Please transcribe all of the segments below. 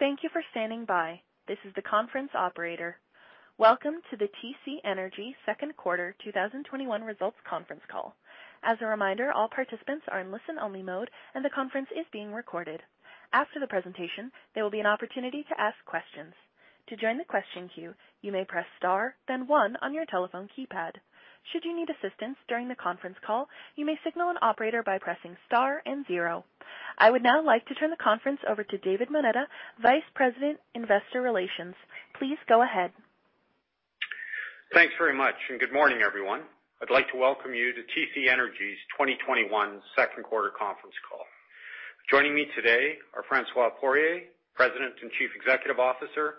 Thank you for standing by. This is the conference operator. Welcome to the TC Energy Second Quarter 2021 Results Conference Call. As a reminder, all participants are in listen-only mode, and the conference is being recorded. After the presentation, there will be an opportunity to ask questions. To join the question queue, you may press star then one on your telephone keypad. Should you need assistance during the conference call, you may signal an operator by pressing star and zero. I would now like to turn the conference over to David Moneta, Vice President, Investor Relations. Please go ahead. Thanks very much, and good morning, everyone. I'd like to welcome you to TC Energy's 2021 2nd quarter conference call. Joining me today are François Poirier, President and Chief Executive Officer,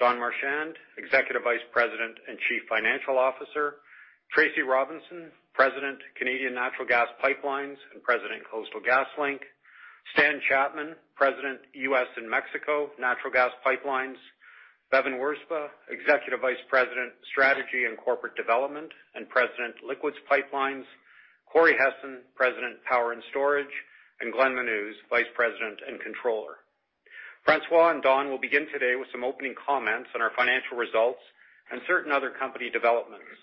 Don Marchand, Executive Vice President and Chief Financial Officer, Tracy Robinson, President, Canadian Natural Gas Pipelines and President, Coastal GasLink, Stan Chapman, President, U.S. and Mexico Natural Gas Pipelines, Bevin Wirzba, Executive Vice President, Strategy and Corporate Development and President, Liquids Pipelines, Corey Hessen, President, Power and Storage, and Glenn Menuz, Vice President and Controller. François and Don will begin today with some opening comments on our financial results and certain other company developments.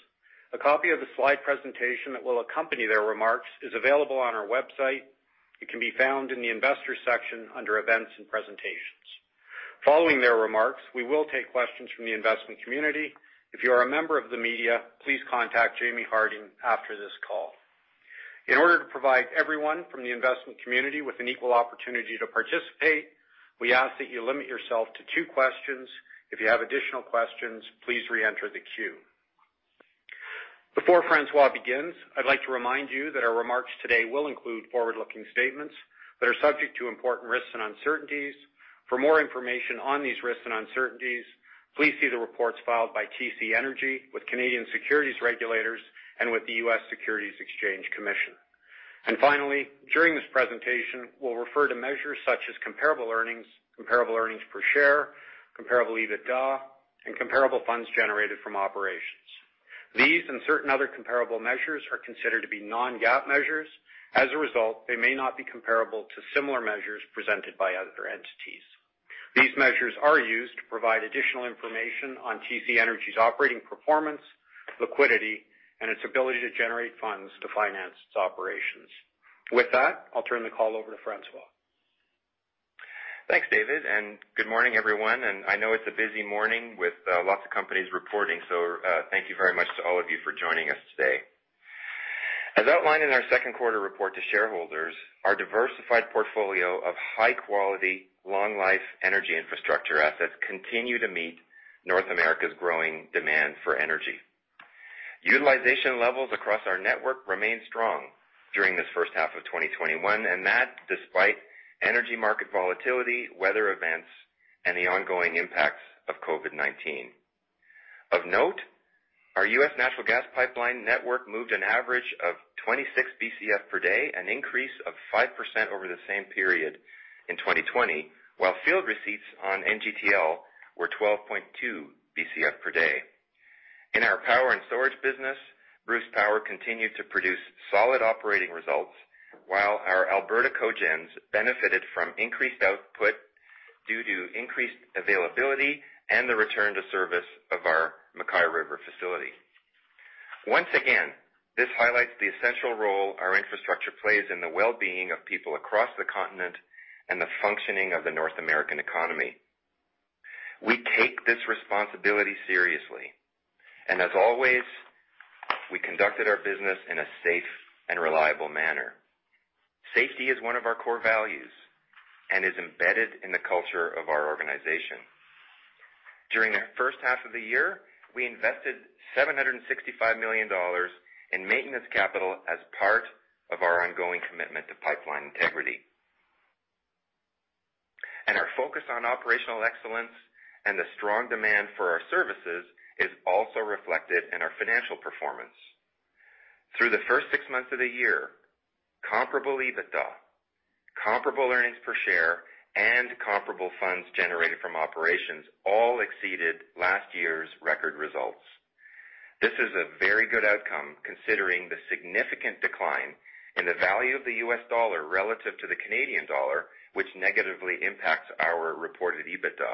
A copy of the slide presentation that will accompany their remarks is available on our website. It can be found in the investors section under events and presentations. Following their remarks, we will take questions from the investment community. If you are a member of the media, please contact Jaimie Harding after this call. In order to provide everyone from the investment community with an equal opportunity to participate, we ask that you limit yourself to two questions. If you have additional questions, please re-enter the queue. Before François begins, I'd like to remind you that our remarks today will include forward-looking statements that are subject to important risks and uncertainties. For more information on these risks and uncertainties, please see the reports filed by TC Energy with Canadian securities regulators and with the U.S. Securities and Exchange Commission. Finally, during this presentation, we'll refer to measures such as comparable earnings, comparable earnings per share, comparable EBITDA, and comparable funds generated from operations. These and certain other comparable measures are considered to be non-GAAP measures. As a result, they may not be comparable to similar measures presented by other entities. These measures are used to provide additional information on TC Energy's operating performance, liquidity, and its ability to generate funds to finance its operations. With that, I'll turn the call over to François. Thanks, David, good morning, everyone. I know it's a busy morning with lots of companies reporting, thank you very much to all of you for joining us today. As outlined in our second quarter report to shareholders, our diversified portfolio of high-quality, long-life energy infrastructure assets continue to meet North America's growing demand for energy. Utilization levels across our network remained strong during this first half of 2021, that despite energy market volatility, weather events, and the ongoing impacts of COVID-19. Of note, our U.S. natural gas pipeline network moved an average of 26 BCF per day, an increase of 5% over the same period in 2020, while field receipts on NGTL were 12.2 BCF per day. In our power and storage business, Bruce Power continued to produce solid operating results, while our Alberta cogens benefited from increased output due to increased availability and the return to service of our MacKay River facility. Once again, this highlights the essential role our infrastructure plays in the well-being of people across the continent and the functioning of the North American economy. We take this responsibility seriously, and as always, we conducted our business in a safe and reliable manner. Safety is one of our core values and is embedded in the culture of our organization. During the first half of the year, we invested 765 million dollars in maintenance capital as part of our ongoing commitment to pipeline integrity. Our focus on operational excellence and the strong demand for our services is also reflected in our financial performance. Through the first six months of the year, comparable EBITDA, comparable earnings per share, and comparable funds generated from operations all exceeded last year's record results. This is a very good outcome considering the significant decline in the value of the U.S. dollar relative to the Canadian dollar, which negatively impacts our reported EBITDA,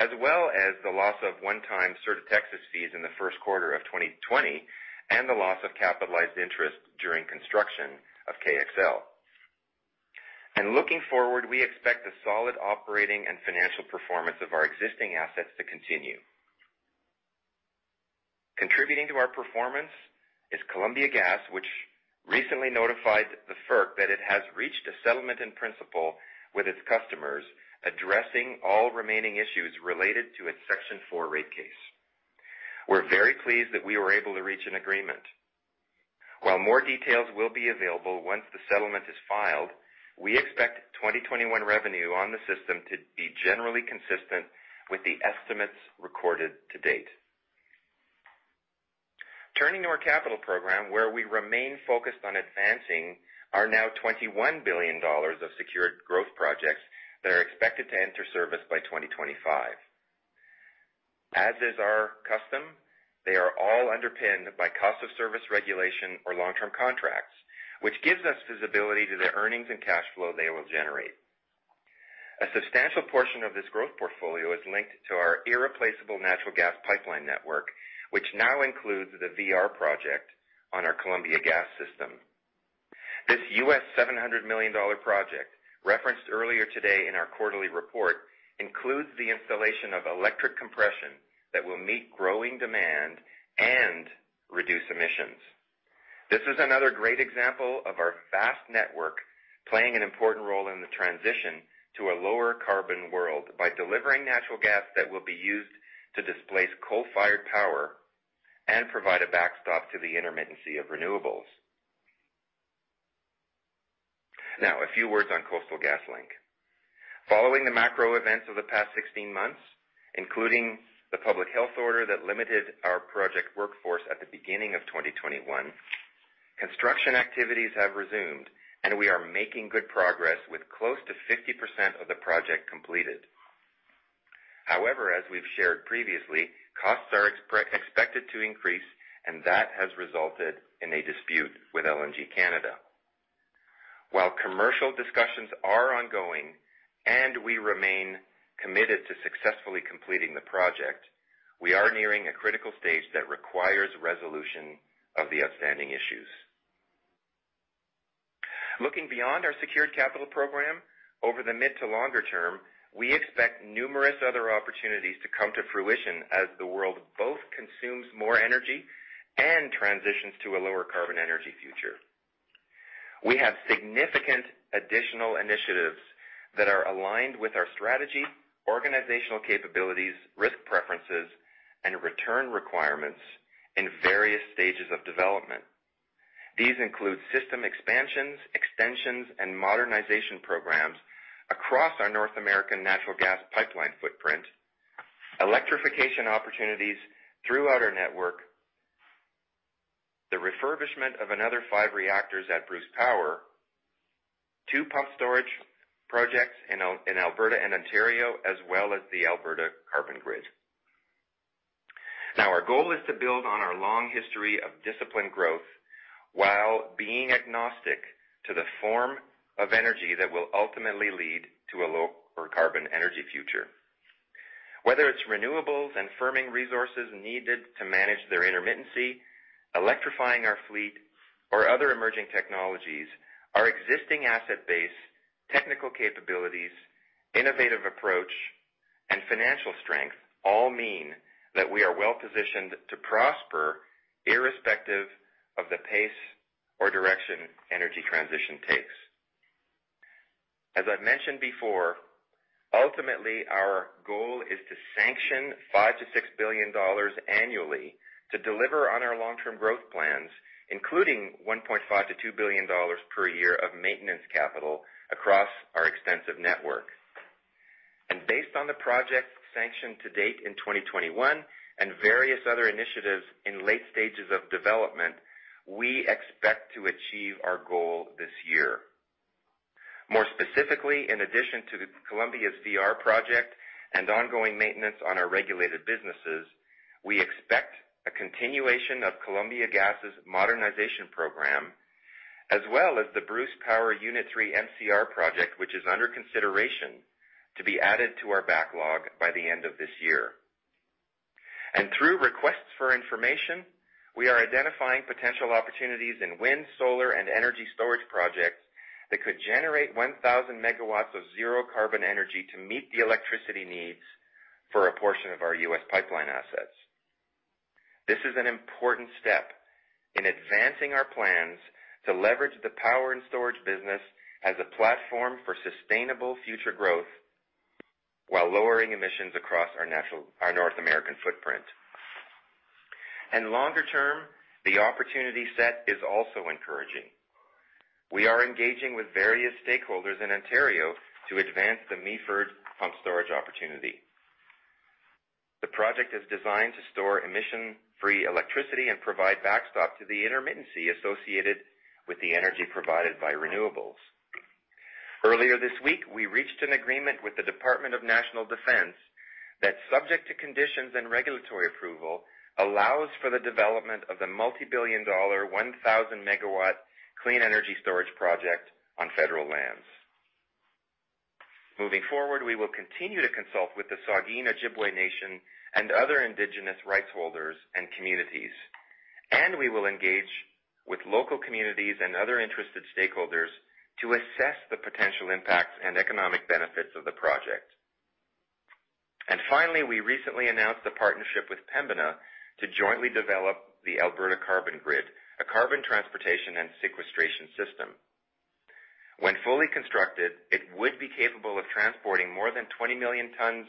as well as the loss of one-time Sur de Texas fees in the first quarter of 2020 and the loss of capitalized interest during construction of KXL. Looking forward, we expect the solid operating and financial performance of our existing assets to continue. Contributing to our performance is Columbia Gas, which recently notified the FERC that it has reached a settlement in principle with its customers, addressing all remaining issues related to its Section 4 rate case. We're very pleased that we were able to reach an agreement. While more details will be available once the settlement is filed, we expect 2021 revenue on the system to be generally consistent with the estimates recorded to date. Turning to our capital program, where we remain focused on advancing our now 21 billion dollars of secured growth projects that are expected to enter service by 2025. As is our custom, they are all underpinned by cost of service regulation or long-term contracts, which gives us visibility to the earnings and cash flow they will generate. A substantial portion of this growth portfolio is linked to our irreplaceable natural gas pipeline network, which now includes the VR project on our Columbia Gas system. This $700 million project, referenced earlier today in our quarterly report, includes the installation of electric compression that will meet growing demand and reduce emissions. This is another great example of our vast network playing an important role in the transition to a lower carbon world by delivering natural gas that will be used to displace coal-fired power and provide a backstop to the intermittency of renewables. Now, a few words on Coastal GasLink. Following the macro events of the past 16 months, including the public health order that limited our project workforce at the beginning of 2021, construction activities have resumed, and we are making good progress with close to 50% of the project completed. However, as we've shared previously, costs are expected to increase, and that has resulted in a dispute with LNG Canada. While commercial discussions are ongoing and we remain committed to successfully completing the project, we are nearing a critical stage that requires resolution of the outstanding issues. Looking beyond our secured capital program, over the mid to longer term, we expect numerous other opportunities to come to fruition as the world both consumes more energy and transitions to a lower carbon energy future. We have significant additional initiatives that are aligned with our strategy, organizational capabilities, risk preferences, and return requirements in various stages of development. These include system expansions, extensions, and modernization programs across our North American natural gas pipeline footprint, electrification opportunities throughout our network, the refurbishment of another five reactors at Bruce Power, two pump storage projects in Alberta and Ontario, as well as the Alberta Carbon Grid. Now, our goal is to build on our long history of disciplined growth while being agnostic to the form of energy that will ultimately lead to a lower carbon energy future. Whether it's renewables and firming resources needed to manage their intermittency, electrifying our fleet, or other emerging technologies, our existing asset base, technical capabilities, innovative approach, and financial strength all mean that we are well-positioned to prosper irrespective of the pace or direction energy transition takes. As I've mentioned before, ultimately, our goal is to sanction 5 billion-6 billion dollars annually to deliver on our long-term growth plans, including 1.5 billion-2 billion dollars per year of maintenance capital across our extensive network. Based on the project sanction to date in 2021 and various other initiatives in late stages of development, we expect to achieve our goal this year. More specifically, in addition to the Columbia's VR Project and ongoing maintenance on our regulated businesses, we expect a continuation of Columbia Gas' modernization program, as well as the Bruce Power Unit 3 MCR project, which is under consideration to be added to our backlog by the end of this year. Through requests for information, we are identifying potential opportunities in wind, solar, and energy storage projects that could generate 1,000 MW of zero-carbon energy to meet the electricity needs for a portion of our U.S. pipeline assets. This is an important step in advancing our plans to leverage the power and storage business as a platform for sustainable future growth while lowering emissions across our North American footprint. Longer-term, the opportunity set is also encouraging. We are engaging with various stakeholders in Ontario to advance the Meaford pump storage opportunity. The project is designed to store emission-free electricity and provide backstop to the intermittency associated with the energy provided by renewables. Earlier this week, we reached an agreement with the Department of National Defence that, subject to conditions and regulatory approval, allows for the development of the multibillion-dollar 1,000 MW clean energy storage project on federal lands. Moving forward, we will continue to consult with the Saugeen Ojibway Nation and other indigenous rights holders and communities, and we will engage with local communities and other interested stakeholders to assess the potential impacts and economic benefits of the project. Finally, we recently announced a partnership with Pembina to jointly develop the Alberta Carbon Grid, a carbon transportation and sequestration system. When fully constructed, it would be capable of transporting more than 20 million tons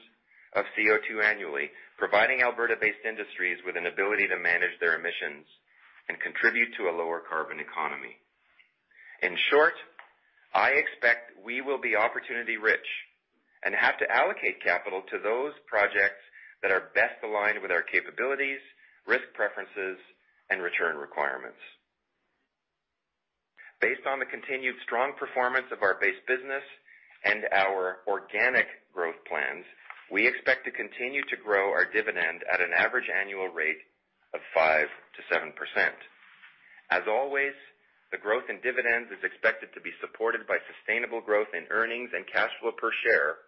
of CO2 annually, providing Alberta-based industries with an ability to manage their emissions and contribute to a lower carbon economy. In short, I expect we will be opportunity-rich and have to allocate capital to those projects that are best aligned with our capabilities, risk preferences, and return requirements. Based on the continued strong performance of our base business and our organic growth plans, we expect to continue to grow our dividend at an average annual rate of 5%-7%. As always, the growth in dividends is expected to be supported by sustainable growth in earnings and cash flow per share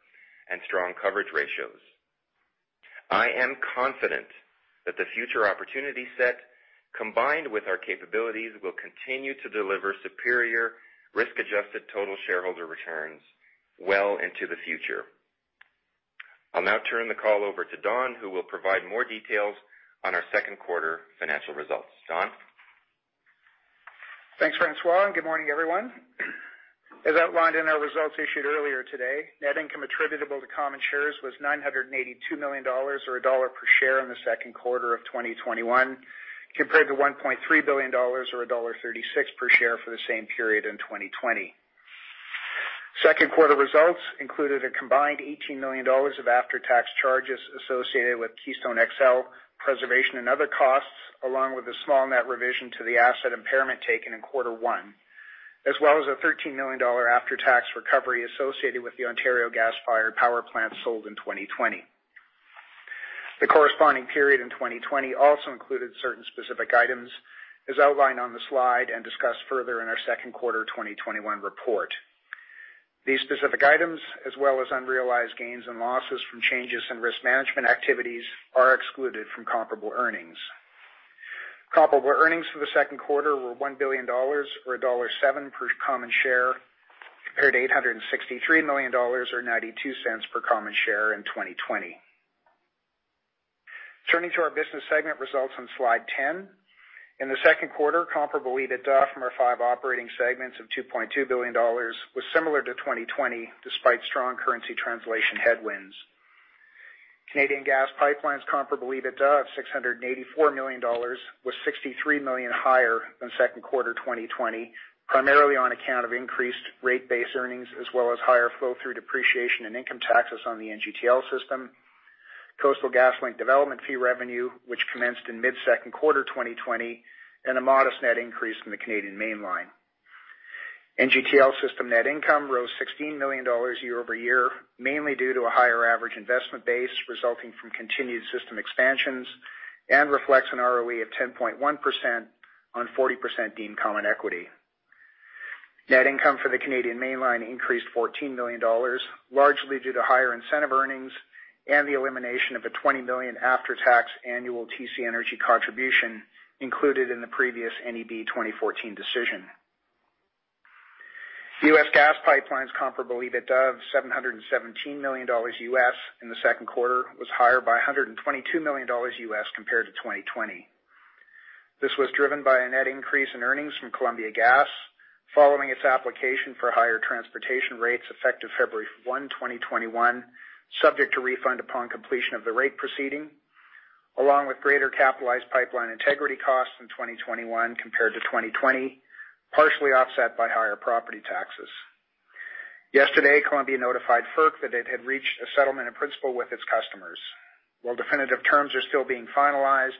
and strong coverage ratios. I am confident that the future opportunity set, combined with our capabilities, will continue to deliver superior risk-adjusted total shareholder returns well into the future. I'll now turn the call over to Don, who will provide more details on our second quarter financial results. Don? Thanks, François, good morning, everyone. As outlined in our results issued earlier today, net income attributable to common shares was 982 million dollars or CAD 1 per share in the second quarter of 2021, compared to 1.3 billion dollars or dollar 1.36 per share for the same period in 2020. Second quarter results included a combined 18 million dollars of after-tax charges associated with Keystone XL preservation and other costs, along with a small net revision to the asset impairment taken in quarter one, as well as a 13 million dollar after-tax recovery associated with the Ontario gas-fired power plant sold in 2020. The corresponding period in 2020 also included certain specific items, as outlined on the slide and discussed further in our second quarter 2021 report. These specific items, as well as unrealized gains and losses from changes in risk management activities, are excluded from comparable earnings. Comparable earnings for the second quarter were 1 billion dollars or dollar 1.07 per common share, compared to 863 million dollars or 0.92 per common share in 2020. Turning to our business segment results on slide 10. In the second quarter, comparable EBITDA from our five operating segments of 2.2 billion dollars was similar to 2020, despite strong currency translation headwinds. Canadian Gas Pipelines comparable EBITDA of 684 million dollars was 63 million higher than second quarter 2020, primarily on account of increased rate base earnings as well as higher flow-through depreciation and income taxes on the NGTL System, Coastal GasLink development fee revenue, which commenced in mid-second quarter 2020, and a modest net increase in the Canadian Mainline. NGTL System net income rose 16 million dollars year-over-year, mainly due to a higher average investment base resulting from continued system expansions and reflects an ROE of 10.1% on 40% deemed common equity. Net income for the Canadian Mainline increased 14 million dollars, largely due to higher incentive earnings and the elimination of a 20 million after-tax annual TC Energy contribution included in the previous NEB 2014 decision. The U.S. Gas Pipelines comparable EBITDA of $717 million in the second quarter was higher by $122 million compared to 2020. This was driven by a net increase in earnings from Columbia Gas following its application for higher transportation rates effective February 1, 2021, subject to refund upon completion of the rate proceeding, along with greater capitalized pipeline integrity costs in 2021 compared to 2020, partially offset by higher property taxes. Yesterday, Columbia notified FERC that it had reached a settlement in principle with its customers. While definitive terms are still being finalized,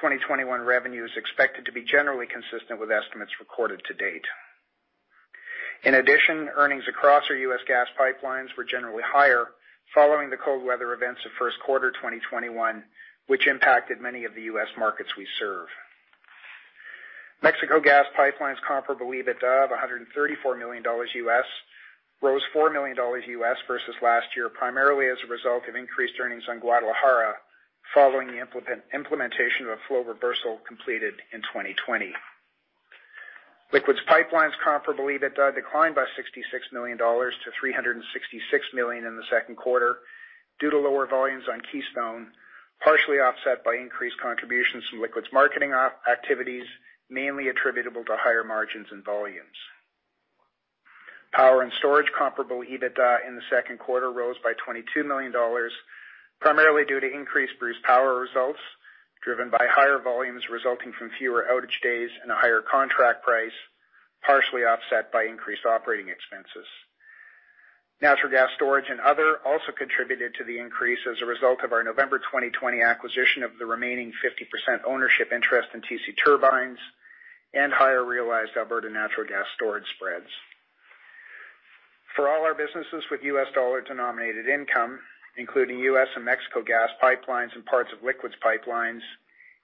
2021 revenue is expected to be generally consistent with estimates recorded to date. In addition, earnings across our U.S. Gas Pipelines were generally higher following the cold weather events of first quarter 2021, which impacted many of the U.S. markets we serve. Mexico Gas Pipelines comparable EBITDA of $134 million rose $4 million versus last year, primarily as a result of increased earnings on Guadalajara following the implementation of a flow reversal completed in 2020. Liquids Pipelines comparable EBITDA declined by 66 million-366 million dollars in the second quarter due to lower volumes on Keystone, partially offset by increased contributions from liquids marketing activities, mainly attributable to higher margins and volumes. Power and Storage comparable EBITDA in the second quarter rose by 22 million dollars, primarily due to increased Bruce Power results, driven by higher volumes resulting from fewer outage days and a higher contract price, partially offset by increased operating expenses. Natural Gas Storage and other also contributed to the increase as a result of our November 2020 acquisition of the remaining 50% ownership interest in TC Turbines and higher realized Alberta natural gas storage spreads. For all our businesses with US dollar-denominated income, including US and Mexico Natural Gas Pipelines and parts of Liquids Pipelines,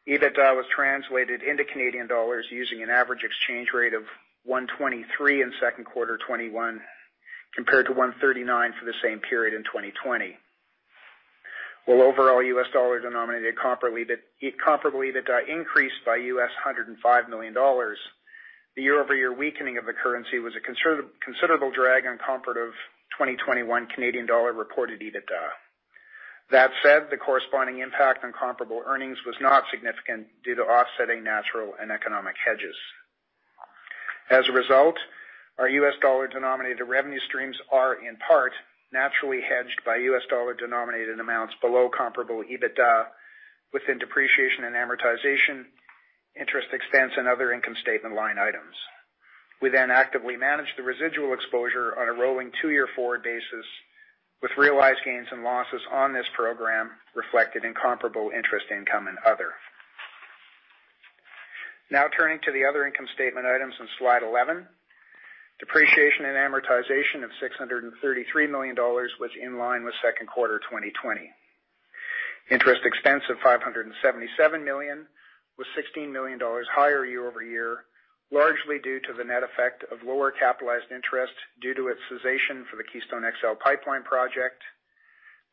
EBITDA was translated into Canadian dollars using an average exchange rate of 123 in second quarter 2021, compared to 139 for the same period in 2020. While overall U.S. dollar-denominated comparable EBITDA increased by $105 million, the year-over-year weakening of the currency was a considerable drag on comparative 2021 Canadian dollar-reported EBITDA. That said, the corresponding impact on comparable earnings was not significant due to offsetting natural and economic hedges. As a result, our U.S. dollar-denominated revenue streams are, in part, naturally hedged by U.S. dollar-denominated amounts below comparable EBITDA within depreciation and amortization, interest expense, and other income statement line items. We actively manage the residual exposure on a rolling two-year forward basis. With realized gains and losses on this program reflected in comparable interest income and other. Turning to the other income statement items on slide 11. Depreciation and amortization of 633 million dollars was in line with second quarter 2020. Interest expense of 577 million was 16 million dollars higher year-over-year, largely due to the net effect of lower capitalized interest due to its cessation for the Keystone XL Pipeline project,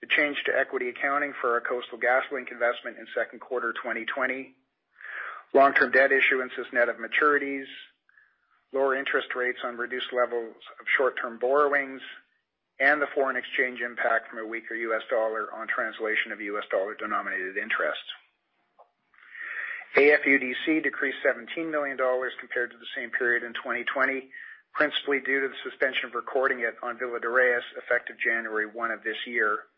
the change to equity accounting for our Coastal GasLink investment in second quarter 2020, long-term debt issuances net of maturities, lower interest rates on reduced levels of short-term borrowings, and the foreign exchange impact from a weaker U.S. dollar on translation of U.S. dollar-denominated interest. AFUDC decreased 17 million dollars compared to the same period in 2020, principally due to the suspension of recording it on Villa de Reyes effective January 1 of this year,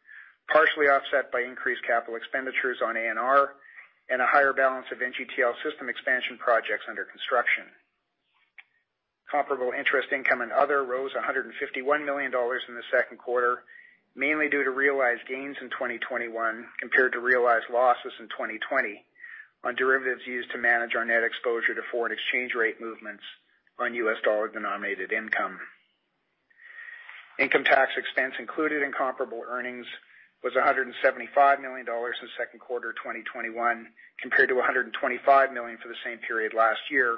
partially offset by increased capital expenditures on ANR and a higher balance of NGTL System expansion projects under construction. Comparable interest income and other rose 151 million dollars in the Q2, mainly due to realized gains in 2021 compared to realized losses in 2020 on derivatives used to manage our net exposure to foreign exchange rate movements on U.S. dollar-denominated income. Income tax expense included in comparable earnings was 175 million dollars in Q2 2021, compared to 125 million for the same period last year,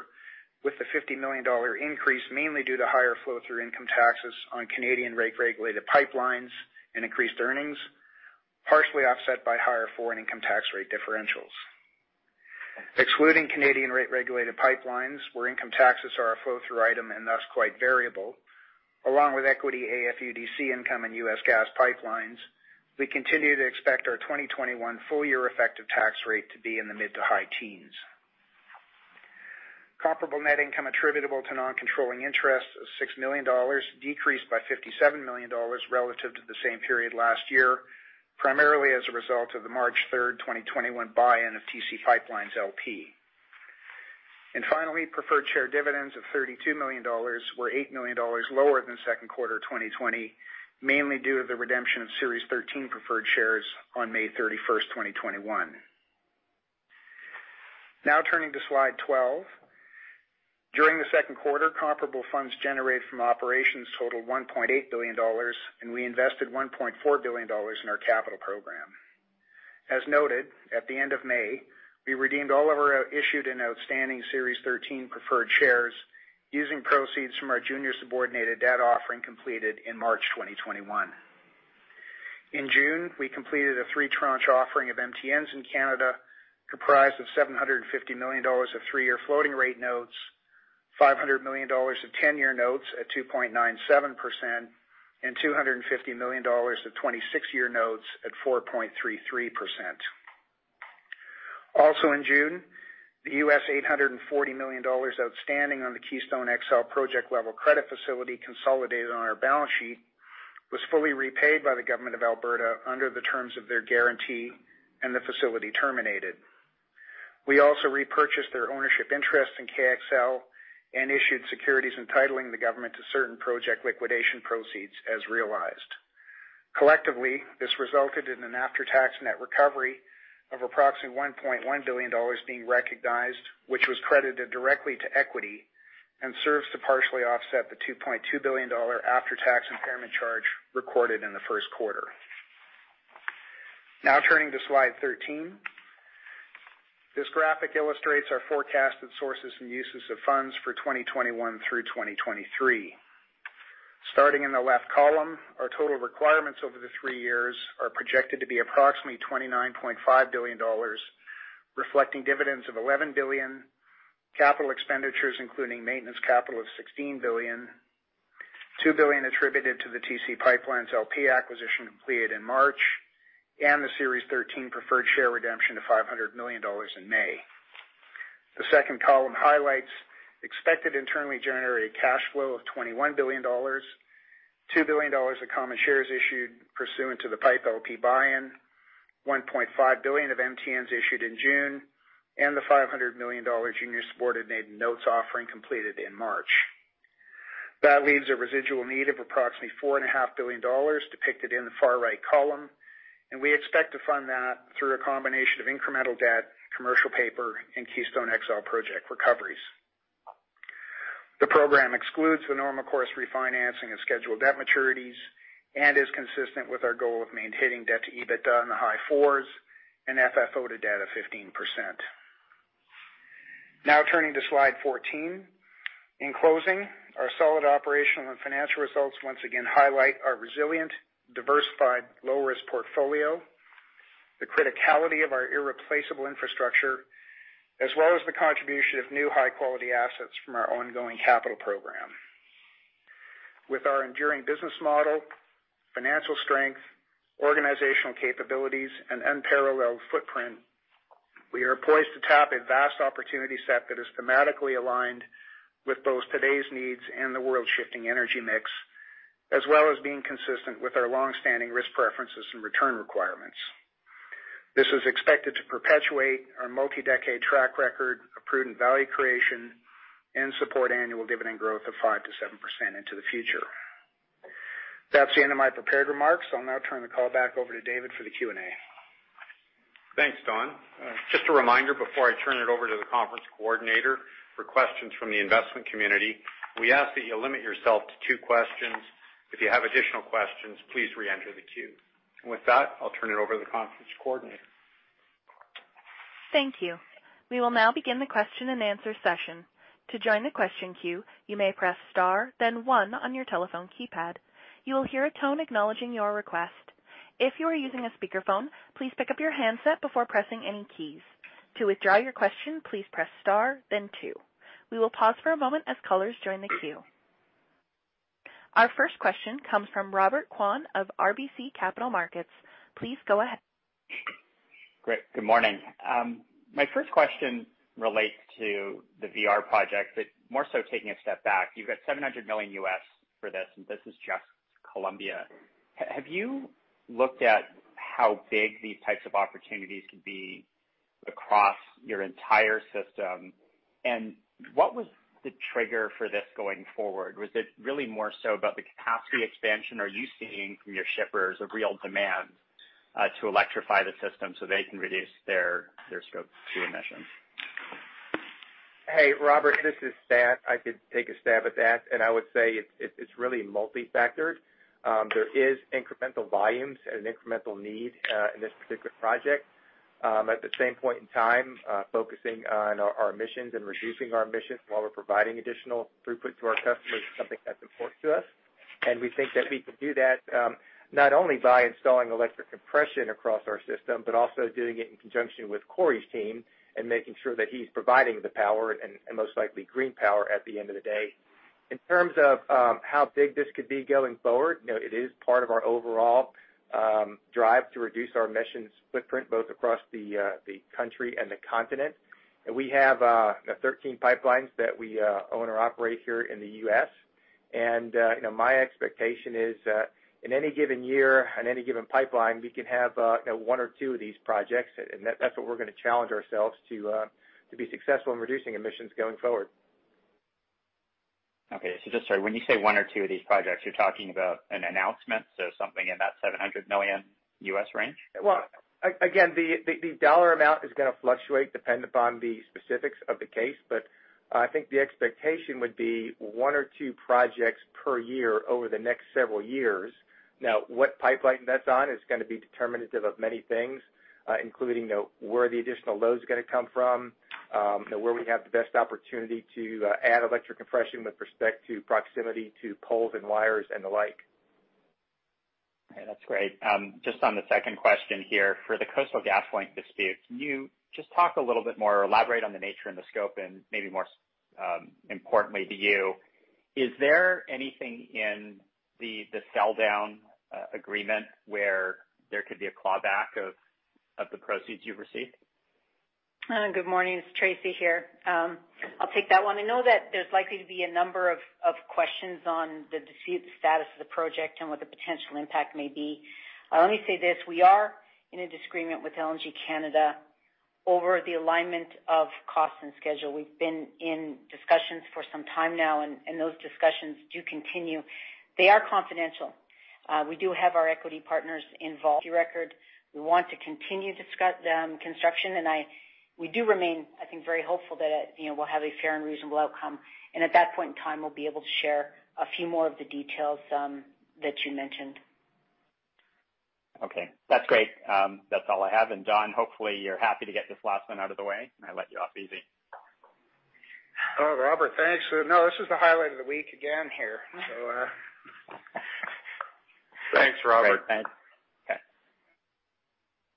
with the 50 million dollar increase mainly due to higher flow-through income taxes on Canadian rate regulated pipelines and increased earnings, partially offset by higher foreign income tax rate differentials. Excluding Canadian rate regulated pipelines, where income taxes are a flow-through item and thus quite variable, along with equity AFUDC income in U.S. gas pipelines, we continue to expect our 2021 full-year effective tax rate to be in the mid to high teens. Comparable net income attributable to non-controlling interests of 6 million dollars decreased by 57 million dollars relative to the same period last year, primarily as a result of the March 3rd, 2021 buy-in of TC PipeLines, LP. Finally, preferred share dividends of 32 million dollars were 8 million dollars lower than 2Q 2020, mainly due to the redemption of Series 13 preferred shares on May 31st, 2021. Now turning to slide 12. During Q2, comparable funds generated from operations totaled 1.8 billion dollars, and we invested 1.4 billion dollars in our capital program. As noted, at the end of May, we redeemed all of our issued and outstanding Series 13 preferred shares using proceeds from our junior subordinated debt offering completed in March 2021. In June, we completed a three-tranche offering of MTNs in Canada, comprised of 750 million dollars of three-year floating rate notes, 500 million dollars of 10-year notes at 2.97%, and 250 million dollars of 26-year notes at 4.33%. Also in June, the U.S. $840 million outstanding on the Keystone XL project level credit facility consolidated on our balance sheet was fully repaid by the government of Alberta under the terms of their guarantee and the facility terminated. We also repurchased their ownership interest in KXL and issued securities entitling the government to certain project liquidation proceeds as realized. Collectively, this resulted in an after-tax net recovery of approximately 1.1 billion dollars being recognized, which was credited directly to equity and serves to partially offset the 2.2 billion dollar after-tax impairment charge recorded in the first quarter. Now turning to slide 13. This graphic illustrates our forecasted sources and uses of funds for 2021 through 2023. Starting in the left column, our total requirements over the three years are projected to be approximately 29.5 billion dollars, reflecting dividends of 11 billion, capital expenditures including maintenance capital of 16 billion, 2 billion attributed to the TC PipeLines, LP acquisition completed in March, and the Series 13 preferred share redemption of 500 million dollars in May. The second column highlights expected internally generated cash flow of 21 billion dollars, 2 billion dollars of common shares issued pursuant to the TC PipeLines, LP buy-in, 1.5 billion of MTNs issued in June, and the 500 million dollar junior subordinated notes offering completed in March. That leaves a residual need of approximately 4.5 billion dollars depicted in the far right column, and we expect to fund that through a combination of incremental debt, commercial paper, and Keystone XL project recoveries. The program excludes the normal course refinancing of scheduled debt maturities and is consistent with our goal of maintaining debt to EBITDA in the high 4s and FFO to debt of 15%. Turning to slide 14. In closing, our solid operational and financial results once again highlight our resilient, diversified, low-risk portfolio, the criticality of our irreplaceable infrastructure, as well as the contribution of new high-quality assets from our ongoing capital program. With our enduring business model, financial strength, organizational capabilities, and unparalleled footprint, we are poised to tap a vast opportunity set that is thematically aligned with both today's needs and the world's shifting energy mix, as well as being consistent with our longstanding risk preferences and return requirements. This is expected to perpetuate our multi-decade track record of prudent value creation and support annual dividend growth of 5%-7% into the future. That's the end of my prepared remarks. I'll now turn the call back over to David for the Q&A. Thanks, Don. Just a reminder before I turn it over to the conference coordinator for questions from the investment community, we ask that you limit yourself to two questions. If you have additional questions, please re-enter the queue. With that, I'll turn it over to the conference coordinator. Thank you. We will now begin the question and answer session. To join the question queue, you may press star then one on your telephone keypad. You will hear a tone acknowledging your request. If you are using a speakerphone, please pick up your handset before pressing any keys. To withdraw your question, please press star then two. We will pause for a moment as callers join the queue. Our first question comes from Robert Kwan of RBC Capital Markets. Please go ahead. Great. Good morning. My first question relates to the VR project, more so taking a step back. You've got $700 million for this is just Columbia. Have you looked at how big these types of opportunities could be across your entire system? What was the trigger for this going forward? Was it really more so about the capacity expansion? Are you seeing from your shippers a real demand to electrify the system so they can reduce their Scope 2 emissions? Hey, Robert. This is Stan. I could take a stab at that. I would say it's really multi-factored. There is incremental volumes and an incremental need in this particular project. At the same point in time, focusing on our emissions and reducing our emissions while we're providing additional throughput to our customers is something that's important to us. We think that we can do that not only by installing electric compression across our system, but also doing it in conjunction with Corey's team and making sure that he's providing the power and most likely green power at the end of the day. In terms of how big this could be going forward, it is part of our overall drive to reduce our emissions footprint both across the country and the continent. We have 13 pipelines that we own or operate here in the U.S. My expectation is, in any given year, on any given pipeline, we can have one or two of these projects. That's what we're going to challenge ourselves to be successful in reducing emissions going forward. Okay. Just sorry, when you say one or two of these projects, you're talking about an announcement, so something in that $700 million range? Again, the dollar amount is going to fluctuate depending upon the specifics of the case. I think the expectation would be one or two projects per year over the next several years. What pipeline that's on is going to be determinative of many things, including where the additional load's going to come from, where we have the best opportunity to add electric compression with respect to proximity to poles and wires and the like. Okay, that's great. Just on the second question here, for the Coastal GasLink dispute, can you just talk a little bit more or elaborate on the nature and the scope and maybe more importantly to you, is there anything in the sell-down agreement where there could be a clawback of the proceeds you've received? Good morning. It's Tracy here. I'll take that one. I know that there's likely to be a number of questions on the dispute status of the project and what the potential impact may be. Let me say this, we are in a disagreement with LNG Canada over the alignment of cost and schedule. We've been in discussions for some time now. Those discussions do continue. They are confidential. We do have our equity partners involved. We want to continue construction, and we do remain, I think, very hopeful that we'll have a fair and reasonable outcome. At that point in time, we'll be able to share a few more of the details that you mentioned. Okay. That's great. That's all I have. Don, hopefully you're happy to get this last one out of the way, and I let you off easy. Oh, Robert, thanks. No, this is the highlight of the week again here. Thanks, Robert. Great. Thanks.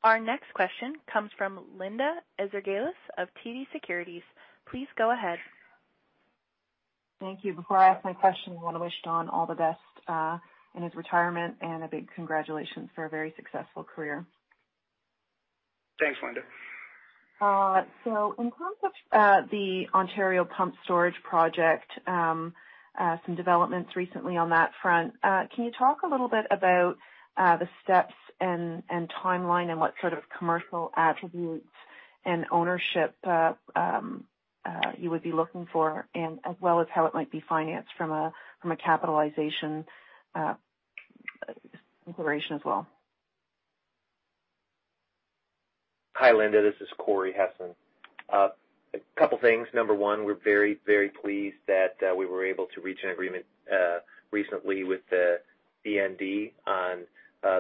Okay. Our next question comes from Linda Ezergailis of TD Securities. Please go ahead. Thank you. Before I ask my question, I want to wish Don all the best in his retirement and a big congratulations for a very successful career. Thanks, Linda. In terms of the Ontario pump storage project, some developments recently on that front. Can you talk a little bit about the steps and timeline and what sort of commercial attributes and ownership you would be looking for, and as well as how it might be financed from a capitalization exploration as well? Hi, Linda. This is Corey Hessen. A couple things. Number one, we're very pleased that we were able to reach an agreement recently with the DND on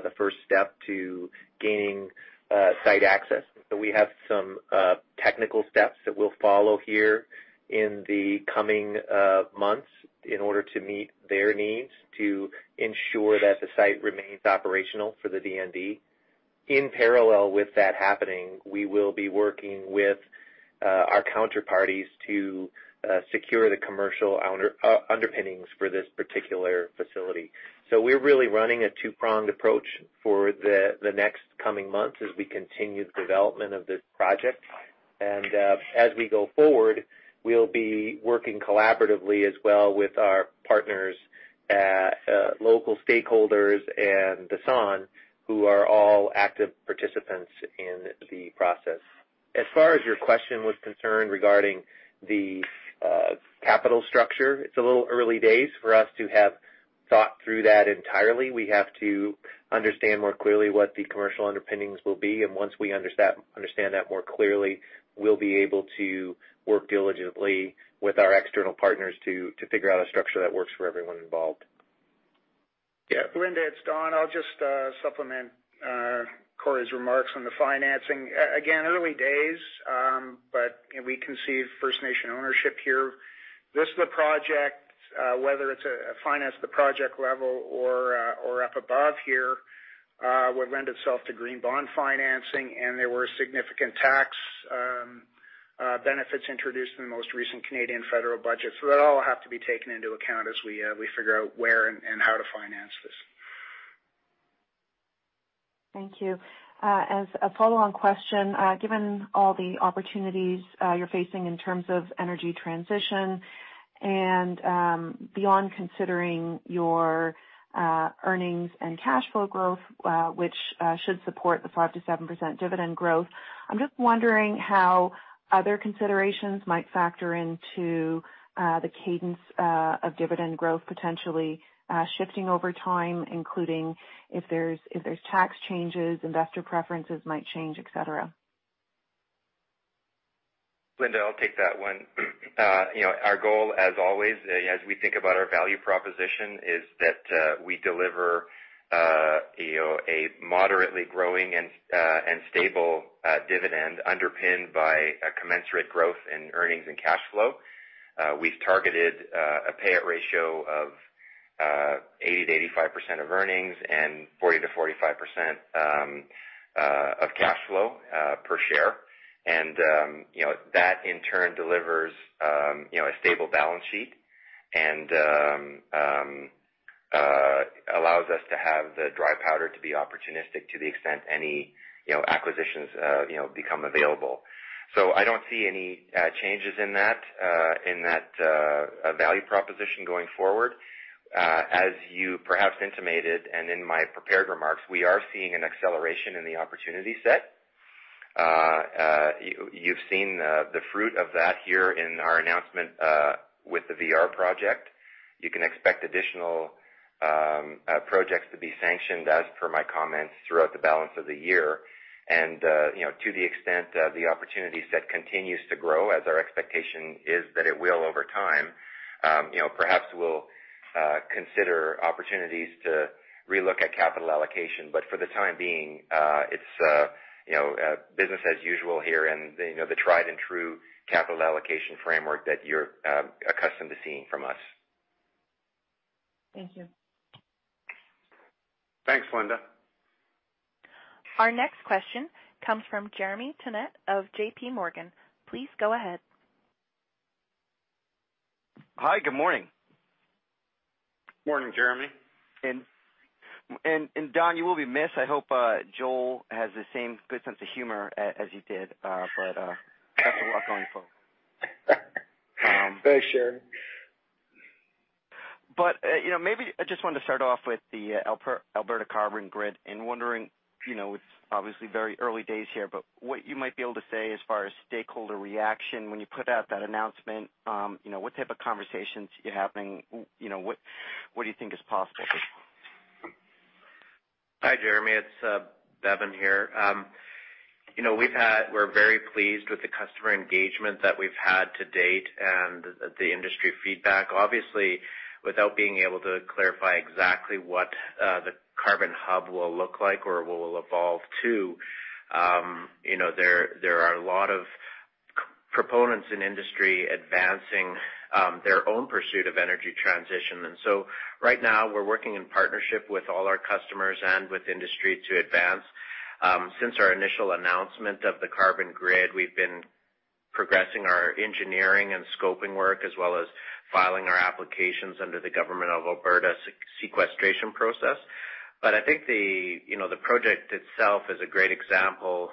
the first step to gaining site access. We have some technical steps that we'll follow here in the coming months in order to meet their needs to ensure that the site remains operational for the DND. In parallel with that happening, we will be working with our counterparties to secure the commercial underpinnings for this particular facility. We're really running a two-pronged approach for the next coming months as we continue the development of this project. As we go forward, we'll be working collaboratively as well with our partners, local stakeholders and Dasan, who are all active participants in the process. As far as your question was concerned regarding the capital structure, it's a little early days for us to have thought through that entirely. We have to understand more clearly what the commercial underpinnings will be, and once we understand that more clearly, we'll be able to work diligently with our external partners to figure out a structure that works for everyone involved. Yeah. Linda, it's Don. I'll just supplement Corey's remarks on the financing. Again, early days, but we can see First Nation ownership here. This is the project, whether it's finance the project level or up above here would lend itself to green bond financing, and there were significant tax benefits introduced in the most recent Canadian federal budget. That will all have to be taken into account as we figure out where and how to finance this. Thank you. As a follow-on question, given all the opportunities you're facing in terms of energy transition and beyond considering your earnings and cash flow growth, which should support the 5%-7% dividend growth, I'm just wondering how other considerations might factor into the cadence of dividend growth potentially shifting over time, including if there's tax changes, investor preferences might change, et cetera? Linda, I'll take that one. Our goal, as always, as we think about our value proposition, is that we deliver a moderately growing and stable dividend underpinned by a commensurate growth in earnings and cash flow. We've targeted a payout ratio of 80%-85% of earnings and 40%-45% of cash flow per share. That in turn delivers a stable balance sheet and allows us to have the dry powder to be opportunistic to the extent any acquisitions become available. I don't see any changes in that value proposition going forward. As you perhaps intimated, and in my prepared remarks, we are seeing an acceleration in the opportunity set. You've seen the fruit of that here in our announcement with the VR Project. You can expect additional projects to be sanctioned as per my comments throughout the balance of the year. To the extent the opportunity set continues to grow as our expectation is that it will over time, perhaps we'll consider opportunities to relook at capital allocation. For the time being, it's business as usual here, and the tried and true capital allocation framework that you're accustomed to seeing from us. Thank you. Thanks, Linda. Our next question comes from Jeremy Tonet of JPMorgan. Please go ahead. Hi, good morning. Morning, Jeremy. Don, you will be missed. I hope Joel has the same good sense of humor as you did. Best of luck going forward. Thanks, Jeremy. Maybe I just wanted to start off with the Alberta Carbon Grid and wondering, it's obviously very early days here, but what you might be able to say as far as stakeholder reaction when you put out that announcement, what type of conversations you're having, what do you think is possible? Hi, Jeremy. It's Bevin here. We're very pleased with the customer engagement that we've had to date and the industry feedback. Obviously, without being able to clarify exactly what the carbon hub will look like or will evolve to, there are a lot of proponents in industry advancing their own pursuit of energy transition. Right now, we're working in partnership with all our customers and with industry to advance. Since our initial announcement of the Alberta Carbon Grid, we've been progressing our engineering and scoping work, as well as filing our applications under the government of Alberta's sequestration process. I think the project itself is a great example,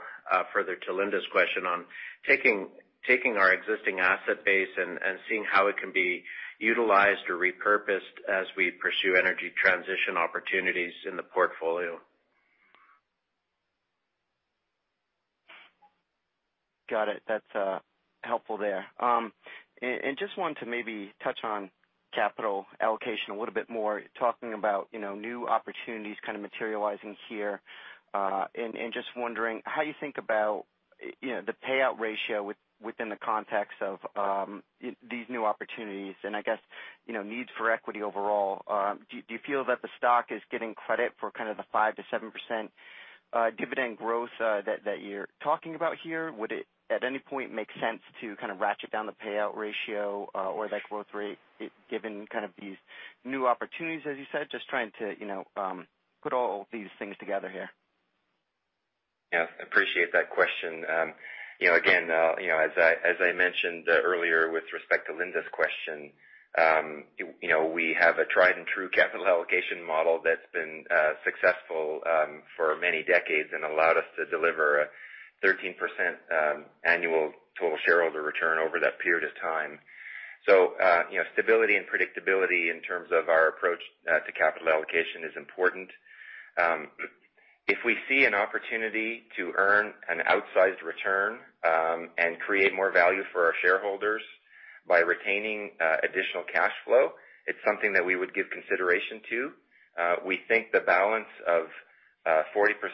further to Linda's question on taking our existing asset base and seeing how it can be utilized or repurposed as we pursue energy transition opportunities in the portfolio. Got it. That's helpful there. Just wanted to maybe touch on capital allocation a little bit more, talking about new opportunities kind of materializing here, and just wondering how you think about the payout ratio within the context of these new opportunities and I guess needs for equity overall. Do you feel that the stock is getting credit for kind of the 5%-7% dividend growth that you're talking about here? Would it at any point make sense to kind of ratchet down the payout ratio or that growth rate given kind of these new opportunities, as you said? Just trying to put all these things together here. Yeah. Appreciate that question. Again, as I mentioned earlier with respect to Linda Ezergailis' question, we have a tried and true capital allocation model that's been successful for many decades and allowed us to deliver a 13% annual total shareholder return over that period of time. Stability and predictability in terms of our approach to capital allocation is important. If we see an opportunity to earn an outsized return and create more value for our shareholders by retaining additional cash flow, it's something that we would give consideration to. We think the balance of 40%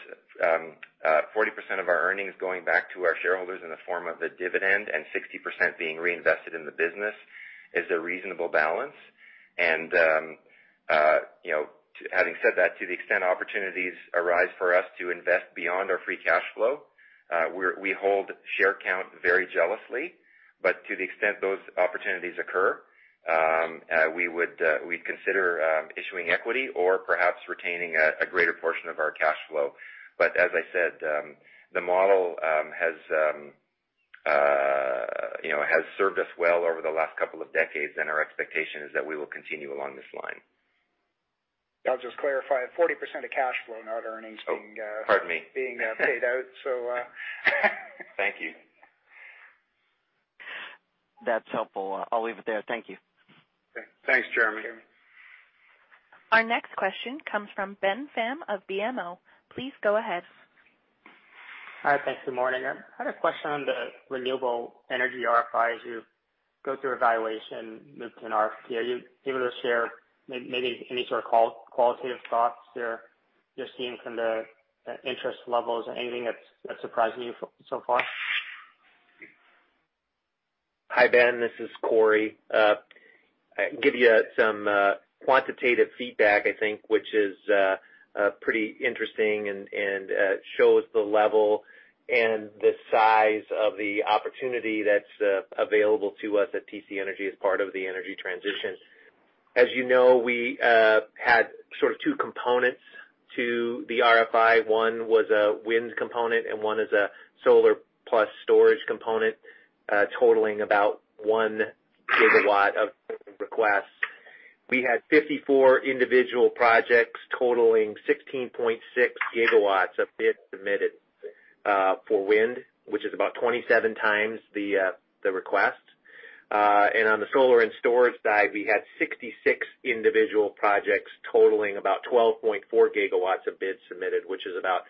of our earnings going back to our shareholders in the form of a dividend and 60% being reinvested in the business is a reasonable balance. Having said that, to the extent opportunities arise for us to invest beyond our free cash flow, we hold share count very jealously. To the extent those opportunities occur, we'd consider issuing equity or perhaps retaining a greater portion of our cash flow. As I said, the model has served us well over the last couple of decades, and our expectation is that we will continue along this line. I'll just clarify, 40% of cash flow, not earnings. Oh, pardon me. being paid out. Thank you. That's helpful. I'll leave it there. Thank you. Okay. Thanks, Jeremy. Our next question comes from Ben Pham of BMO. Please go ahead. Hi. Thanks. Good morning. I had a question on the renewable energy RFIs you go through evaluation, move to an RFP. Are you able to share maybe any sort of qualitative thoughts you're seeing from the interest levels? Anything that's surprising you so far? Hi, Ben. This is Corey. I can give you some quantitative feedback, I think, which is pretty interesting and shows the level and the size of the opportunity that's available to us at TC Energy as part of the energy transition. As you know, we had sort of two components to the RFI. One was a wind component, and one is a solar plus storage component, totaling about one gigawatt of requests. We had 54 individual projects totaling 16.6 GW of bids submitted for wind, which is about 27x the request. On the solar and storage side, we had 66 individual projects totaling about 12.4 GW of bids submitted, which is about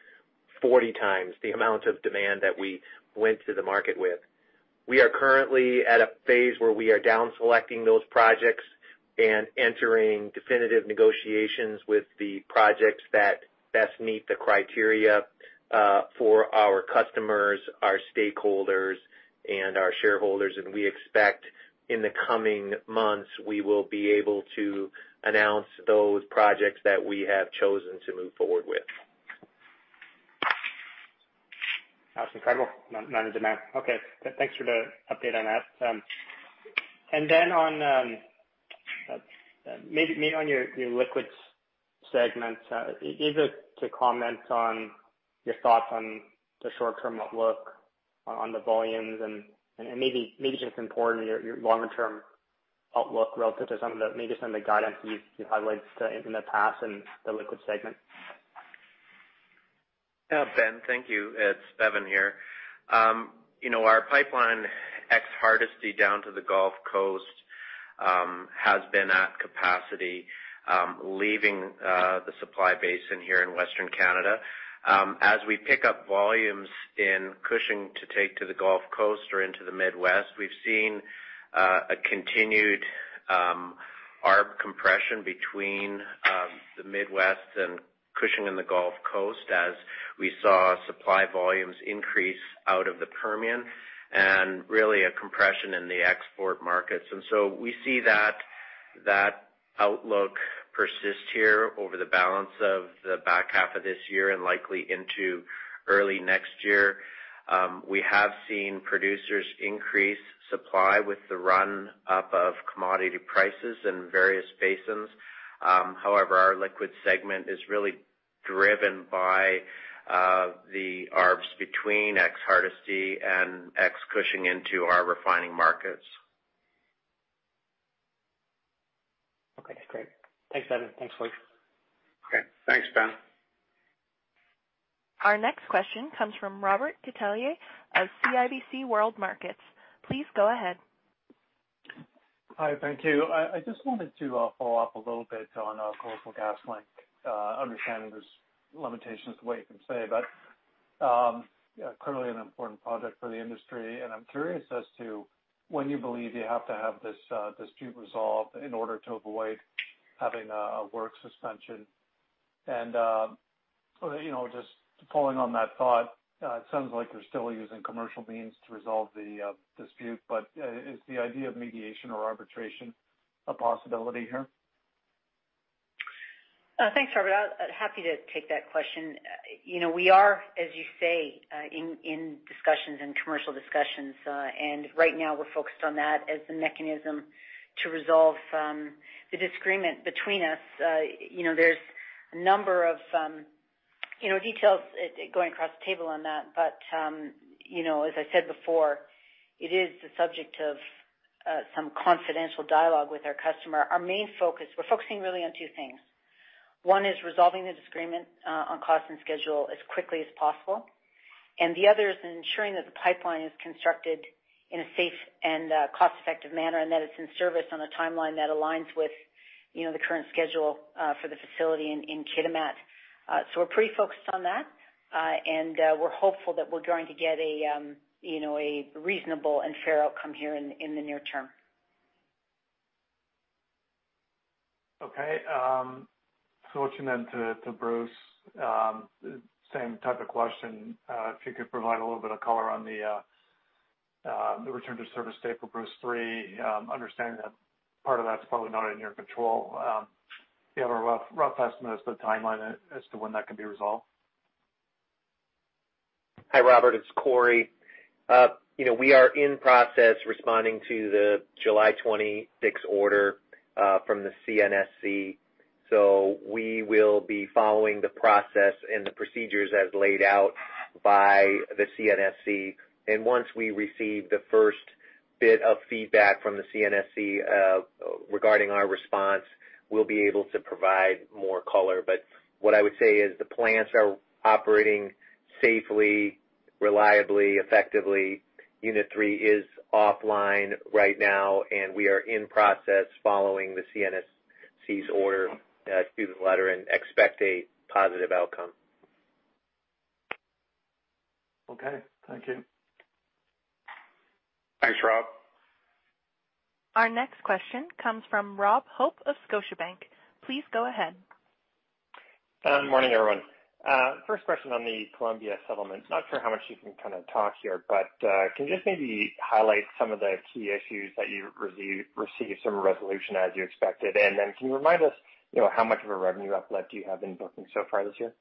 40 times the amount of demand that we went to the market with. We are currently at a phase where we are down selecting those projects and entering definitive negotiations with the projects that best meet the criteria for our customers, our stakeholders, and our shareholders. We expect in the coming months, we will be able to announce those projects that we have chosen to move forward with. That's incredible. Not into math. Okay, thanks for the update on that. Then maybe on your liquids segment, able to comment on your thoughts on the short-term outlook on the volumes and maybe just importantly, your longer-term outlook relative to maybe some of the guidance you've highlighted in the past in the liquids segment? Ben, thank you. It's Bevin here. Our pipeline, ex-Hardisty down to the Gulf Coast, has been at capacity, leaving the supply basin here in Western Canada. As we pick up volumes in Cushing to take to the Gulf Coast or into the Midwest, we've seen a continued arb compression between the Midwest and Cushing and the Gulf Coast as we saw supply volumes increase out of the Permian, and really a compression in the export markets. We see that outlook persist here over the balance of the back half of this year and likely into early next year. We have seen producers increase supply with the run-up of commodity prices in various basins. However, our liquid segment is really driven by the arbs between ex-Hardisty and ex Cushing into our refining markets. Okay, great. Thanks, Bevin. Thanks, Corey. Okay, thanks, Ben. Our next question comes from Robert Catellier of CIBC World Markets. Please go ahead. Hi, thank you. I just wanted to follow up a little bit on Coastal GasLink. Understanding there's limitations to what you can say, but clearly an important project for the industry, and I'm curious as to when you believe you have to have this dispute resolved in order to avoid having a work suspension. Just pulling on that thought, it sounds like you're still using commercial means to resolve the dispute, but is the idea of mediation or arbitration a possibility here? Thanks, Robert. Happy to take that question. We are, as you say, in discussions and commercial discussions. Right now, we're focused on that as the mechanism to resolve the disagreement between us. There's a number of details going across the table on that. As I said before, it is the subject of some confidential dialogue with our customer. Our main focus, we're focusing really on two things. One is resolving the disagreement on cost and schedule as quickly as possible, and the other is ensuring that the pipeline is constructed in a safe and cost-effective manner and that it's in service on a timeline that aligns with the current schedule for the facility in Kitimat. We're pretty focused on that. We're hopeful that we're going to get a reasonable and fair outcome here in the near term. Switching then to Bruce. Same type of question. If you could provide a little bit of color on the return to service date for Bruce 3. Understanding that part of that's probably not in your control. Do you have a rough estimate as to the timeline as to when that can be resolved? Hi, Robert. It's Corey. We are in process responding to the July 26 order from the CNSC, so we will be following the process and the procedures as laid out by the CNSC. Once we receive the first bit of feedback from the CNSC regarding our response, we'll be able to provide more color. What I would say is the plants are operating safely, reliably, effectively. Unit 3 is offline right now, and we are in process following the CNSC's order through the letter and expect a positive outcome. Okay. Thank you. Thanks, Rob. Our next question comes from Robert Hope of Scotiabank. Please go ahead. Good morning, everyone. First question on the Columbia settlement. Not sure how much you can kind of talk here, but can you just maybe highlight some of the key issues that you received some resolution as you expected? Then can you remind us how much of a revenue uplift you have been booking so far this year?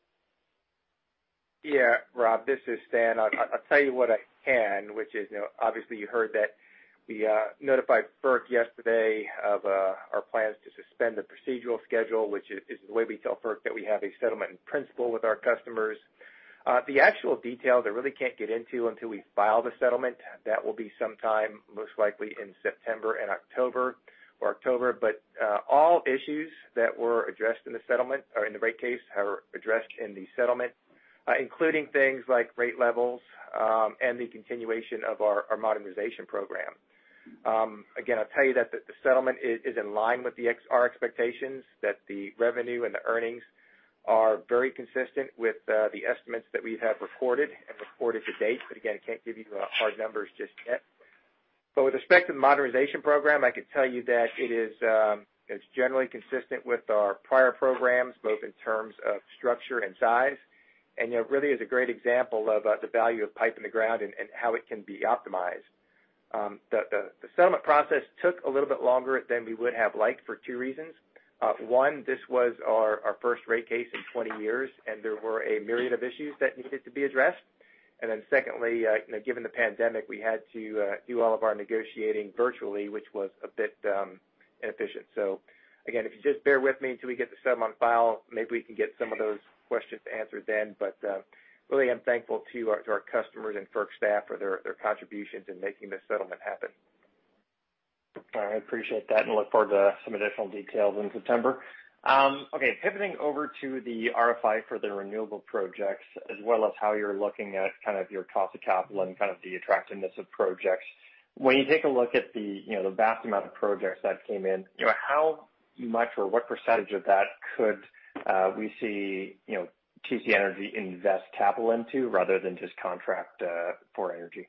Yeah, Rob, this is Stan. I'll tell you what I can, which is, obviously you heard that we notified FERC yesterday of our plans to suspend the procedural schedule, which is the way we tell FERC that we have a settlement in principle with our customers. The actual details I really can't get into until we file the settlement. That will be sometime, most likely in September and October or October. All issues that were addressed in the settlement or in the rate case, are addressed in the settlement, including things like rate levels, and the continuation of our modernization program. Again, I'll tell you that the settlement is in line with our expectations, that the revenue and the earnings are very consistent with the estimates that we have recorded and reported to date. Again, I can't give you hard numbers just yet. With respect to the modernization program, I can tell you that it's generally consistent with our prior programs, both in terms of structure and size. Really is a great example of the value of pipe in the ground and how it can be optimized. The settlement process took a little bit longer than we would have liked for two reasons. One, this was our first rate case in 20 years, and there were a myriad of issues that needed to be addressed. Secondly, given the pandemic, we had to do all of our negotiating virtually, which was a bit inefficient. Again, if you just bear with me until we get the settlement on file, maybe we can get some of those questions answered then. Really, I'm thankful to our customers and FERC staff for their contributions in making this settlement happen. All right. Appreciate that and look forward to some additional details in September. Okay. Pivoting over to the RFI for the renewable projects as well as how you're looking at kind of your cost of capital and kind of the attractiveness of projects. When you take a look at the vast amount of projects that came in, how much or what percentage of that could we see TC Energy invest capital into rather than just contract power energy?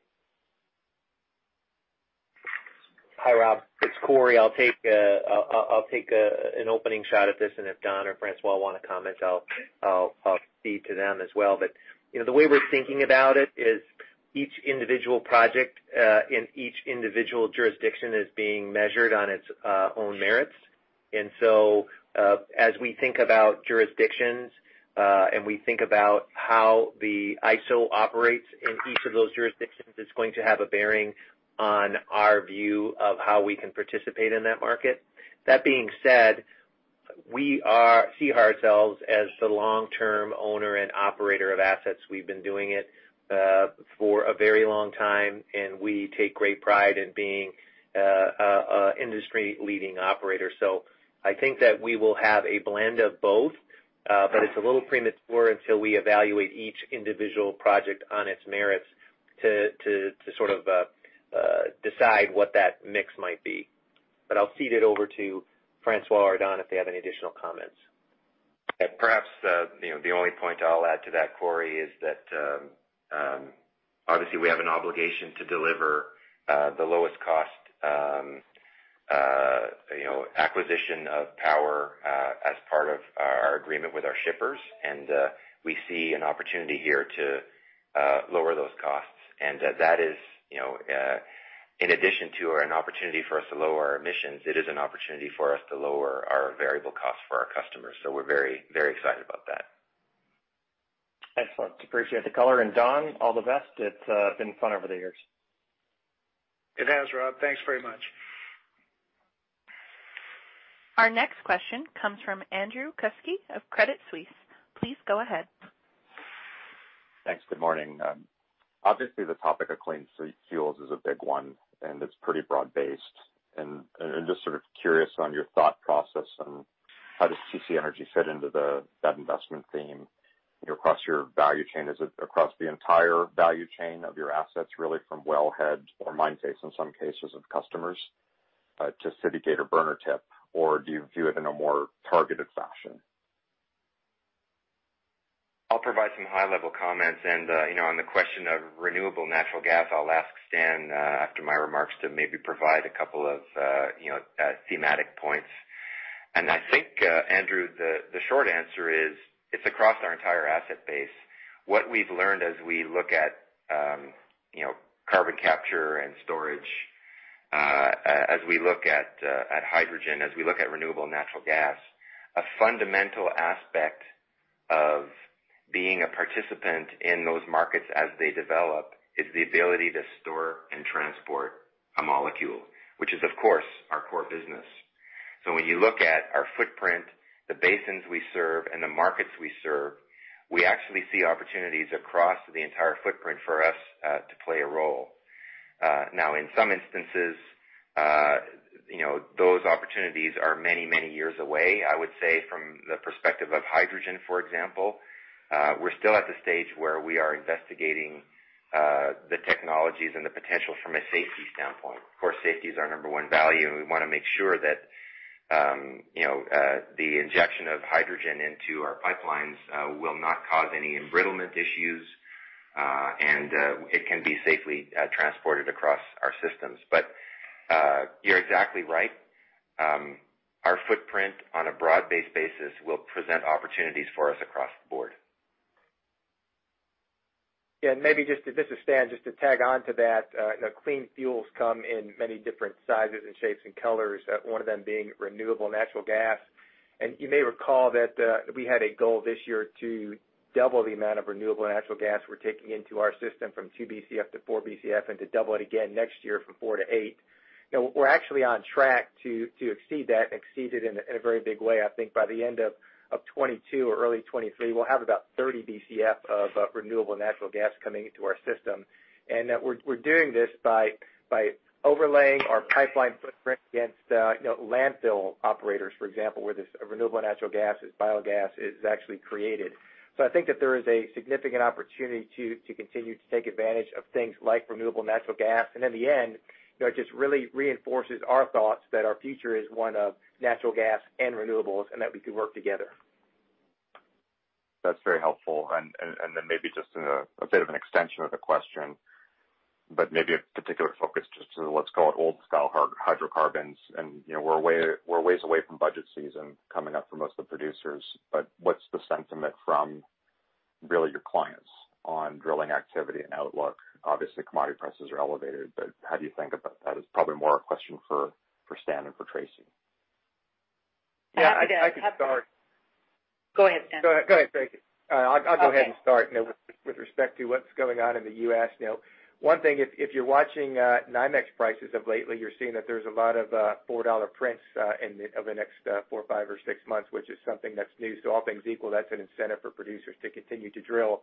Hi, Rob. It's Corey. I'll take an opening shot at this, and if Don or François want to comment, I'll cede to them as well. The way we're thinking about it is each individual project, in each individual jurisdiction is being measured on its own merits. As we think about jurisdictions, and we think about how the ISO operates in each of those jurisdictions, it's going to have a bearing on our view of how we can participate in that market. That being said, we see ourselves as the long-term owner and operator of assets. We've been doing it for a very long time, and we take great pride in being an industry-leading operator. I think that we will have a blend of both. It's a little premature until we evaluate each individual project on its merits to sort of decide what that mix might be. I'll cede it over to François or Don if they have any additional comments. Perhaps the only point I'll add to that, Corey, is that obviously we have an obligation to deliver the lowest cost acquisition of power as part of our agreement with our shippers. We see an opportunity here to lower those costs. That is in addition to an opportunity for us to lower our emissions, it is an opportunity for us to lower our variable costs for our customers. We're very excited about that. Excellent. Appreciate the color. Don, all the best. It’s been fun over the years. It has, Rob. Thanks very much. Our next question comes from Andrew Kuske of Credit Suisse. Please go ahead. Thanks. Good morning. Obviously, the topic of clean fuels is a big one, and it's pretty broad-based. Just sort of curious on your thought process on how does TC Energy fit into that investment theme across your value chain. Is it across the entire value chain of your assets, really from wellhead or mine face in some cases of customers to city gate or burner tip, or do you view it in a more targeted fashion? I'll provide some high-level comments. On the question of renewable natural gas, I'll ask Stan, after my remarks, to maybe provide two thematic points. I think, Andrew, the short answer is it's across our entire asset base. What we've learned as we look at carbon capture and storage, as we look at hydrogen, as we look at renewable natural gas, a fundamental aspect of being a participant in those markets as they develop is the ability to store and transport a molecule, which is, of course, our core business. When you look at our footprint, the basins we serve, and the markets we serve, we actually see opportunities across the entire footprint for us to play a role. In some instances, those opportunities are many years away. I would say from the perspective of hydrogen, for example, we're still at the stage where we are investigating the technologies and the potential from a safety standpoint. Of course, safety is our number one value, and we want to make sure that the injection of hydrogen into our pipelines will not cause any embrittlement issues, and it can be safely transported across our systems. You're exactly right. Our footprint on a broad-based basis will present opportunities for us across the board. Yeah. This is Stan. Just to tag on to that, clean fuels come in many different sizes and shapes and colors, one of them being renewable natural gas. You may recall that we had a goal this year to double the amount of renewable natural gas we're taking into our system from 2 Bcf-4 Bcf, and to double it again next year from 4 Bcf-8 Bcf. We're actually on track to exceed that and exceed it in a very big way. I think by the end of 2022 or early 2023, we'll have about 30 Bcf of renewable natural gas coming into our system. We're doing this by overlaying our pipeline footprint against landfill operators, for example, where this renewable natural gas, this biogas, is actually created. I think that there is a significant opportunity to continue to take advantage of things like renewable natural gas. In the end, it just really reinforces our thoughts that our future is one of natural gas and renewables and that we can work together. That's very helpful. Maybe just a bit of an extension of the question, but maybe a particular focus just to let's call it old-style hydrocarbons. We're ways away from budget season coming up for most of the producers, but what's the sentiment from really your clients on drilling activity and outlook? Obviously, commodity prices are elevated, but how do you think about that? It's probably more a question for Stan and for Tracy. Yeah, I could start. Go ahead, Stan. Go ahead, Tracy. Okay. I'll go ahead and start. With respect to what's going on in the U.S., one thing, if you're watching NYMEX prices of lately, you're seeing that there's a lot of $4 prints of the next four, five, or six months, which is something that's new. All things equal, that's an incentive for producers to continue to drill.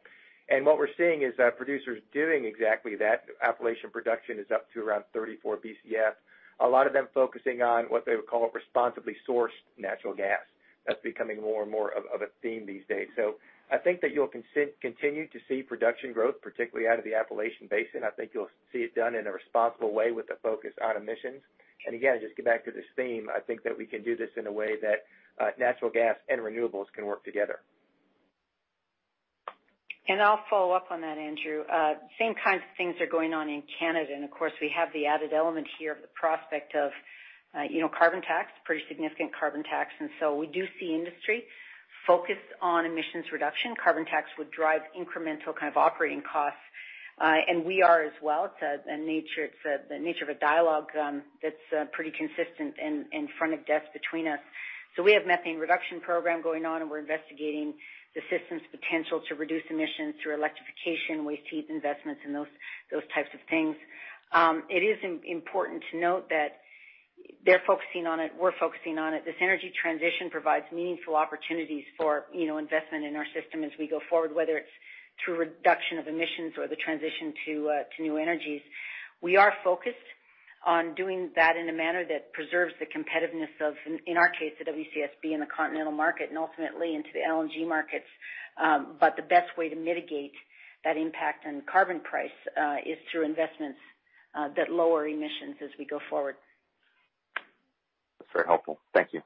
What we're seeing is that producers doing exactly that. Appalachian production is up to around 34 Bcf. A lot of them focusing on what they would call responsibly sourced natural gas. That's becoming more and more of a theme these days. I think that you'll continue to see production growth, particularly out of the Appalachian Basin. I think you'll see it done in a responsible way with a focus on emissions. Again, just get back to this theme. I think that we can do this in a way that natural gas and renewables can work together. I'll follow up on that, Andrew. Same kinds of things are going on in Canada. Of course, we have the added element here of the prospect of carbon tax, pretty significant carbon tax. We do see industry focused on emissions reduction. Carbon tax would drive incremental operating costs. We are as well. It's the nature of a dialogue that's pretty consistent in front of desks between us. We have methane reduction program going on, and we're investigating the system's potential to reduce emissions through electrification, waste heat investments, and those types of things. It is important to note that they're focusing on it, we're focusing on it. This energy transition provides meaningful opportunities for investment in our system as we go forward, whether it's through reduction of emissions or the transition to new energies. We are focused on doing that in a manner that preserves the competitiveness of, in our case, the WCSB in the continental market and ultimately into the LNG markets. The best way to mitigate that impact on carbon price is through investments that lower emissions as we go forward. That's very helpful. Thank you.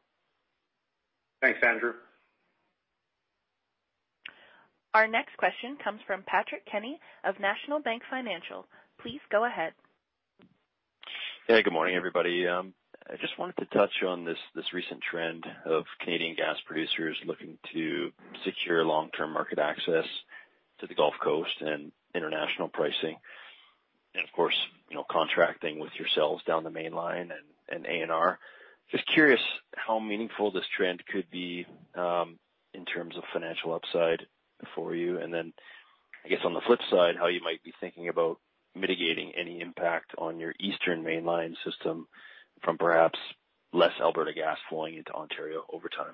Thanks, Andrew. Our next question comes from Patrick Kenny of National Bank Financial. Please go ahead. Hey, good morning, everybody. I just wanted to touch on this recent trend of Canadian gas producers looking to secure long-term market access to the Gulf Coast and international pricing. Of course, contracting with yourselves down the Canadian Mainline and ANR. Just curious how meaningful this trend could be in terms of financial upside for you. Then I guess on the flip side, how you might be thinking about mitigating any impact on your eastern Mainline system from perhaps less Alberta gas flowing into Ontario over time.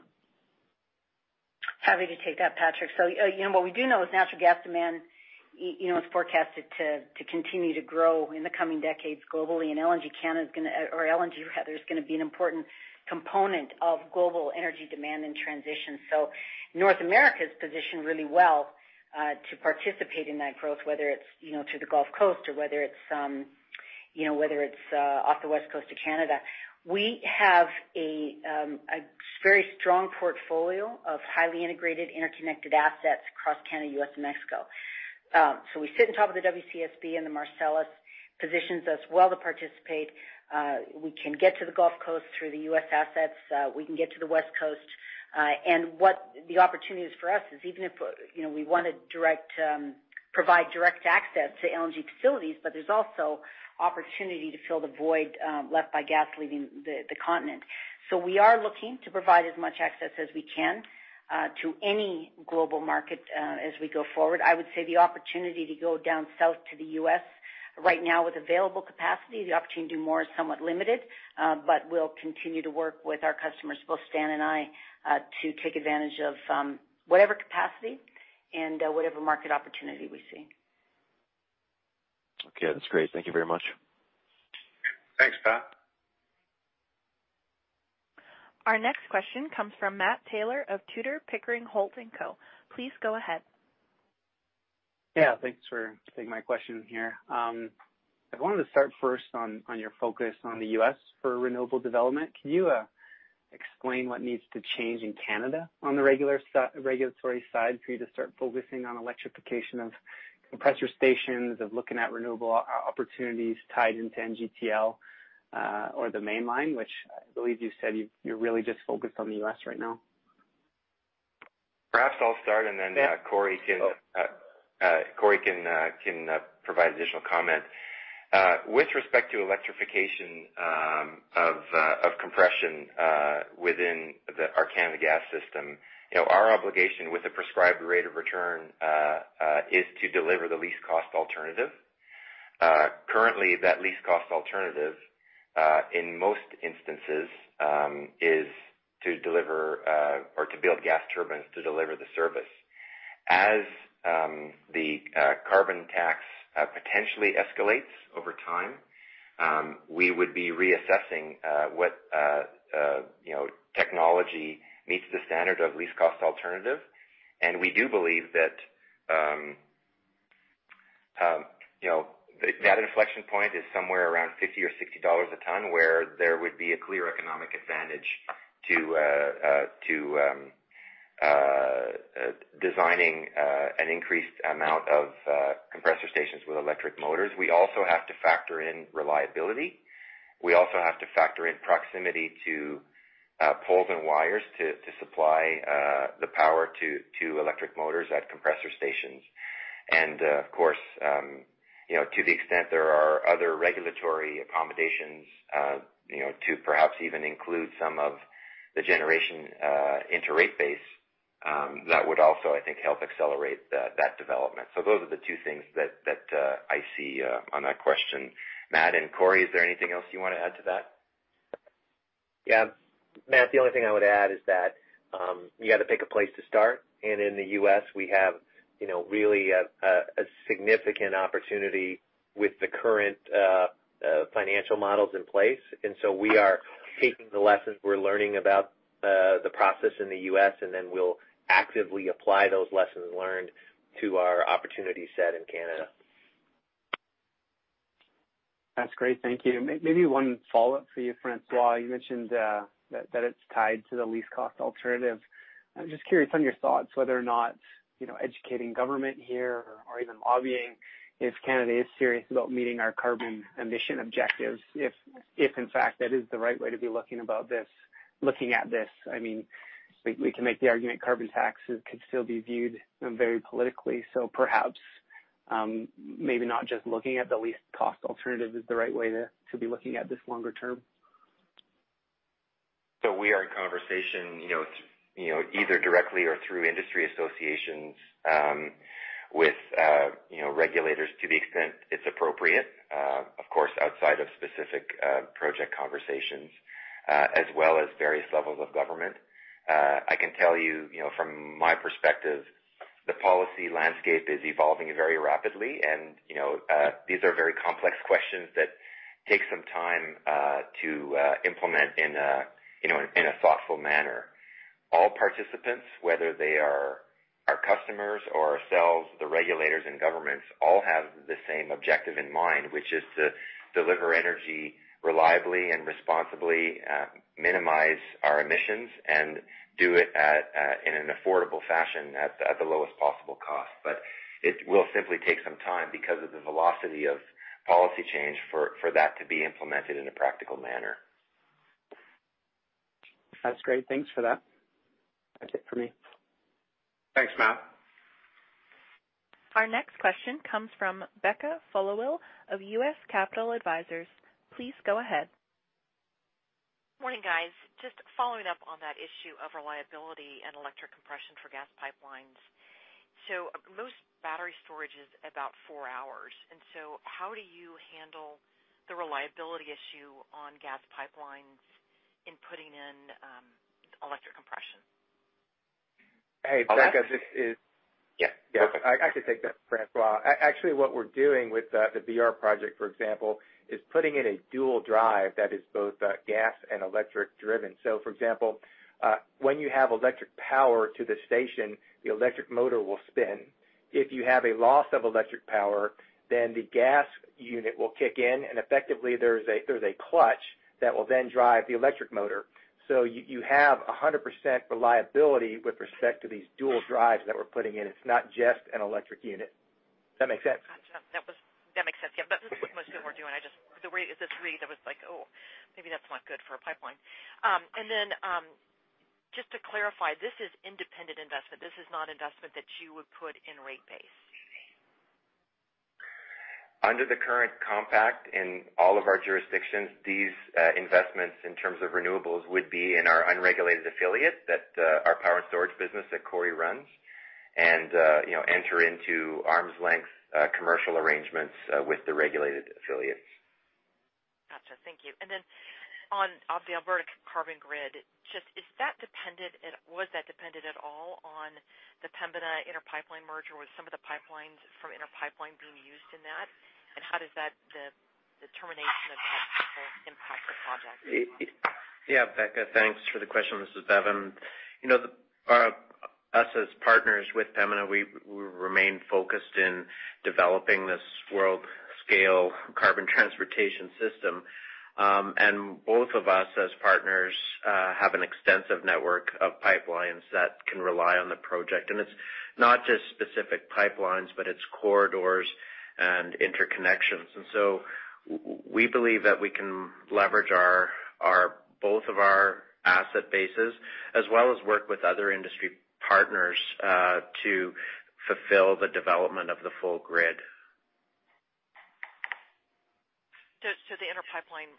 Happy to take that, Patrick. What we do know is natural gas demand is forecasted to continue to grow in the coming decades globally, and LNG is going to be an important component of global energy demand and transition. North America is positioned really well to participate in that growth, whether it's through the Gulf Coast or whether it's off the west coast of Canada. We have a very strong portfolio of highly integrated, interconnected assets across Canada, U.S., and Mexico. We sit on top of the WCSB, and the Marcellus positions us well to participate. We can get to the Gulf Coast through the U.S. assets. We can get to the West Coast. What the opportunity is for us is even if we want to provide direct access to LNG facilities, but there's also opportunity to fill the void left by gas leaving the continent. We are looking to provide as much access as we can to any global market as we go forward. I would say the opportunity to go down south to the U.S. right now with available capacity, the opportunity to do more is somewhat limited, but we'll continue to work with our customers, both Stan and I, to take advantage of whatever capacity and whatever market opportunity we see. Okay. That's great. Thank you very much. Thanks, Pat. Our next question comes from Matthew Taylor of Tudor, Pickering, Holt & Co. Please go ahead. Thanks for taking my question here. I wanted to start first on your focus on the U.S. for renewable development. Can you explain what needs to change in Canada on the regulatory side for you to start focusing on electrification of compressor stations, of looking at renewable opportunities tied into NGTL or the Mainline, which I believe you said you're really just focused on the U.S. right now? Perhaps I'll start, and then Corey can provide additional comment. With respect to electrification of compression within our Canada gas system, our obligation with the prescribed rate of return, is to deliver the least cost alternative. Currently, that least cost alternative, in most instances, is to build gas turbines to deliver the service. As the carbon tax potentially escalates over time, we would be reassessing what technology meets the standard of least cost alternative. We do believe that that inflection point is somewhere around 50 or 60 dollars a ton, where there would be a clear economic advantage to designing an increased amount of compressor stations with electric motors. We also have to factor in reliability. We also have to factor in proximity to poles and wires to supply the power to electric motors at compressor stations. Of course, to the extent there are other regulatory accommodations, to perhaps even include some of the generation into rate base, that would also, I think, help accelerate that development. Those are the two things that I see on that question, Matt, and Corey, is there anything else you want to add to that? Matt, the only thing I would add is that you got to pick a place to start, and in the U.S., we have really a significant opportunity with the current financial models in place. We are taking the lessons we're learning about the process in the U.S., and then we'll actively apply those lessons learned to our opportunity set in Canada. That's great. Thank you. Maybe one follow-up for you, François. You mentioned that it's tied to the least cost alternative. I'm just curious on your thoughts whether or not educating government here or even lobbying if Canada is serious about meeting our carbon emission objectives, if in fact that is the right way to be looking at this. We can make the argument carbon taxes could still be viewed very politically. Perhaps, maybe not just looking at the least cost alternative is the right way to be looking at this longer term. We are in conversation either directly or through industry associations, with regulators to the extent it's appropriate, of course, outside of specific project conversations, as well as various levels of government. I can tell you from my perspective, the policy landscape is evolving very rapidly and these are very complex questions that take some time to implement in a thoughtful manner. All participants, whether they are our customers or ourselves, the regulators and governments, all have the same objective in mind, which is to deliver energy reliably and responsibly, minimize our emissions and do it in an affordable fashion at the lowest possible cost. It will simply take some time because of the velocity of policy change for that to be implemented in a practical manner. That's great. Thanks for that. That's it for me. Thanks, Matt. Our next question comes from Becca Followill of U.S. Capital Advisors. Please go ahead. Morning, guys. Just following up on that issue of reliability and electric compression for gas pipelines. Most battery storage is about four hours. How do you handle the reliability issue on gas pipelines in putting in electric compression? Hey, Becca. Yeah. Yeah. I can take that, François. Actually, what we're doing with the VR project, for example, is putting in a dual drive that is both gas and electric driven. For example, when you have electric power to the station, the electric motor will spin. If you have a loss of electric power, then the gas unit will kick in, and effectively there's a clutch that will then drive the electric motor. You have 100% reliability with respect to these dual drives that we're putting in. It's not just an electric unit. Does that make sense? Gotcha. That makes sense. Yeah. That's what most people are doing. Just the read, it was like, oh, maybe that's not good for a pipeline. Just to clarify, this is independent investment. This is not investment that you would put in rate base. Under the current compact in all of our jurisdictions, these investments in terms of renewables would be in our unregulated affiliate, our Power and Storage business that Corey runs, and enter into arm's length commercial arrangements with the regulated affiliates. Gotcha. Thank you. Then on the Alberta Carbon Grid, just is that dependent, and was that dependent at all on the Pembina Inter Pipeline merger? Were some of the pipelines from Inter Pipeline being used in that? How does the termination of that deal impact the project? Yeah, Becca, thanks for the question. This is Bevin Wirzba. Us as partners with Pembina, we remain focused in developing this world-scale carbon transportation system. Both of us as partners have an extensive network of pipelines that can rely on the project. It’s not just specific pipelines, but it’s corridors and interconnections. We believe that we can leverage both of our asset bases as well as work with other industry partners, to fulfill the development of the full grid. The Inter Pipeline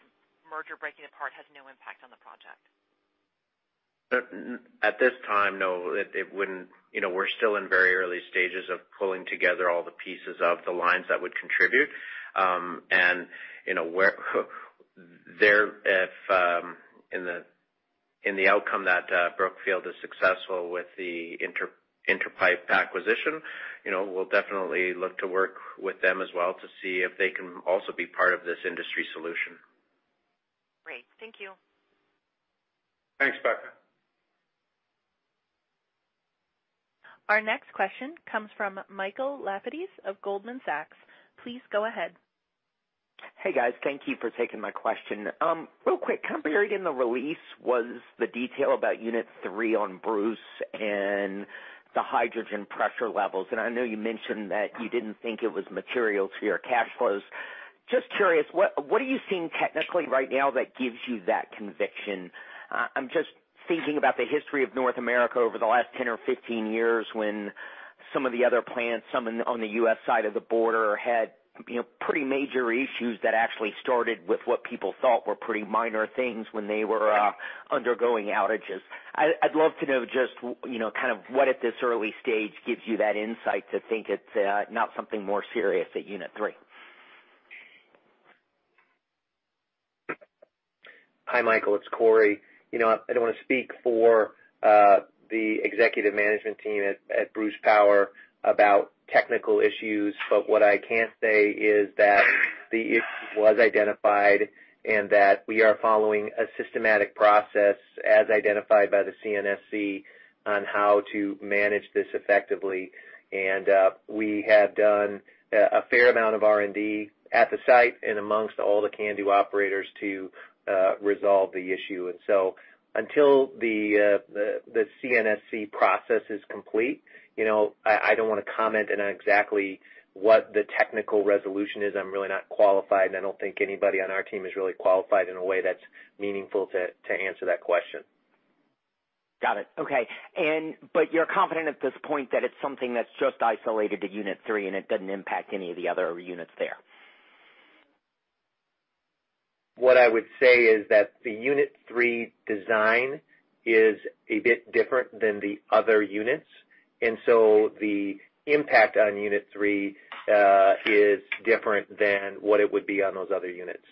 merger breaking apart has no impact on the project. At this time, no, it wouldn't. We're still in very early stages of pulling together all the pieces of the lines that would contribute. If in the outcome that Brookfield is successful with the Inter Pipeline acquisition, we'll definitely look to work with them as well to see if they can also be part of this industry solution. Great. Thank you. Thanks, Becca. Our next question comes from Michael Lapides of Goldman Sachs. Please go ahead. Hey, guys. Thank you for taking my question. Real quick, buried in the release was the detail about unit 3 on Bruce and the hydrogen pressure levels. I know you mentioned that you didn't think it was material to your cash flows. Just curious, what are you seeing technically right now that gives you that conviction? I'm just thinking about the history of North America over the last 10 or 15 years when some of the other plants, some on the U.S. side of the border had pretty major issues that actually started with what people thought were pretty minor things when they were undergoing outages. I'd love to know just, what at this early stage gives you that insight to think it's not something more serious at unit 3. Hi, Michael. It's Corey. I don't want to speak for the executive management team at Bruce Power about technical issues, but what I can say is that the issue was identified and that we are following a systematic process as identified by the CNSC on how to manage this effectively. We have done a fair amount of R&D at the site and amongst all the CANDU operators to resolve the issue. Until the CNSC process is complete, I don't want to comment on exactly what the technical resolution is. I'm really not qualified, and I don't think anybody on our team is really qualified in a way that's meaningful to answer that question. Got it. Okay. You're confident at this point that it's something that's just isolated to unit 3 and it doesn't impact any of the other units there? What I would say is that the unit 3 design is a bit different than the other units. The impact on unit 3 is different than what it would be on those other units.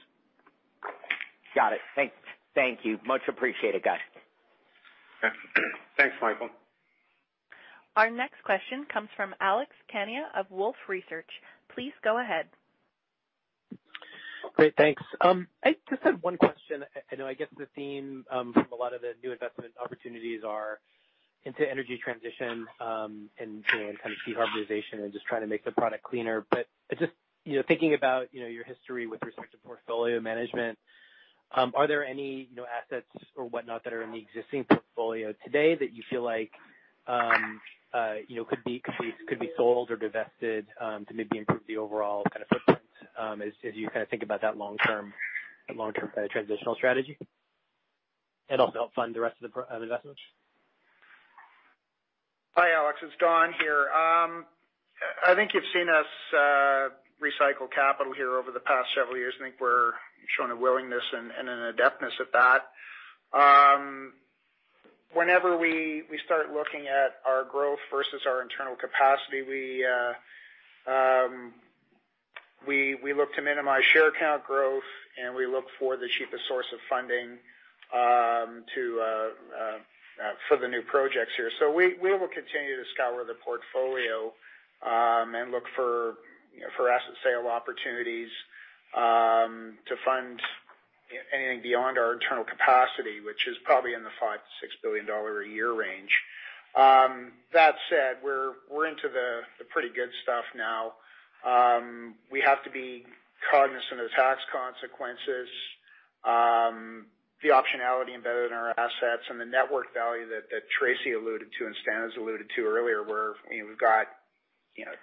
Got it. Thanks. Thank you. Much appreciated, guys. Okay. Thanks, Michael. Our next question comes from Alex Kania of Wolfe Research. Please go ahead. Great. Thanks. I just have one question. I know, I guess the theme from a lot of the new investment opportunities are into energy transition, and kind of de-carbonization and just trying to make the product cleaner. Just thinking about your history with respect to portfolio management, are there any assets or whatnot that are in the existing portfolio today that you feel could be sold or divested to maybe improve the overall footprint as you think about that long-term transitional strategy? Also help fund the rest of the investments? Hi, Alex. It's Don here. I think you've seen us recycle capital here over the past several years, and I think we're showing a willingness and an adeptness at that. Whenever we start looking at our growth versus our internal capacity, we look to minimize share account growth, and we look for the cheapest source of funding for the new projects here. We will continue to scour the portfolio and look for asset sale opportunities to fund anything beyond our internal capacity, which is probably in the 5 billion-6 billion dollar a year range. That said, we're into the pretty good stuff now. We have to be cognizant of tax consequences, the optionality embedded in our assets, and the network value that Tracy Robinson alluded to and Stan Chapman has alluded to earlier, where we've got a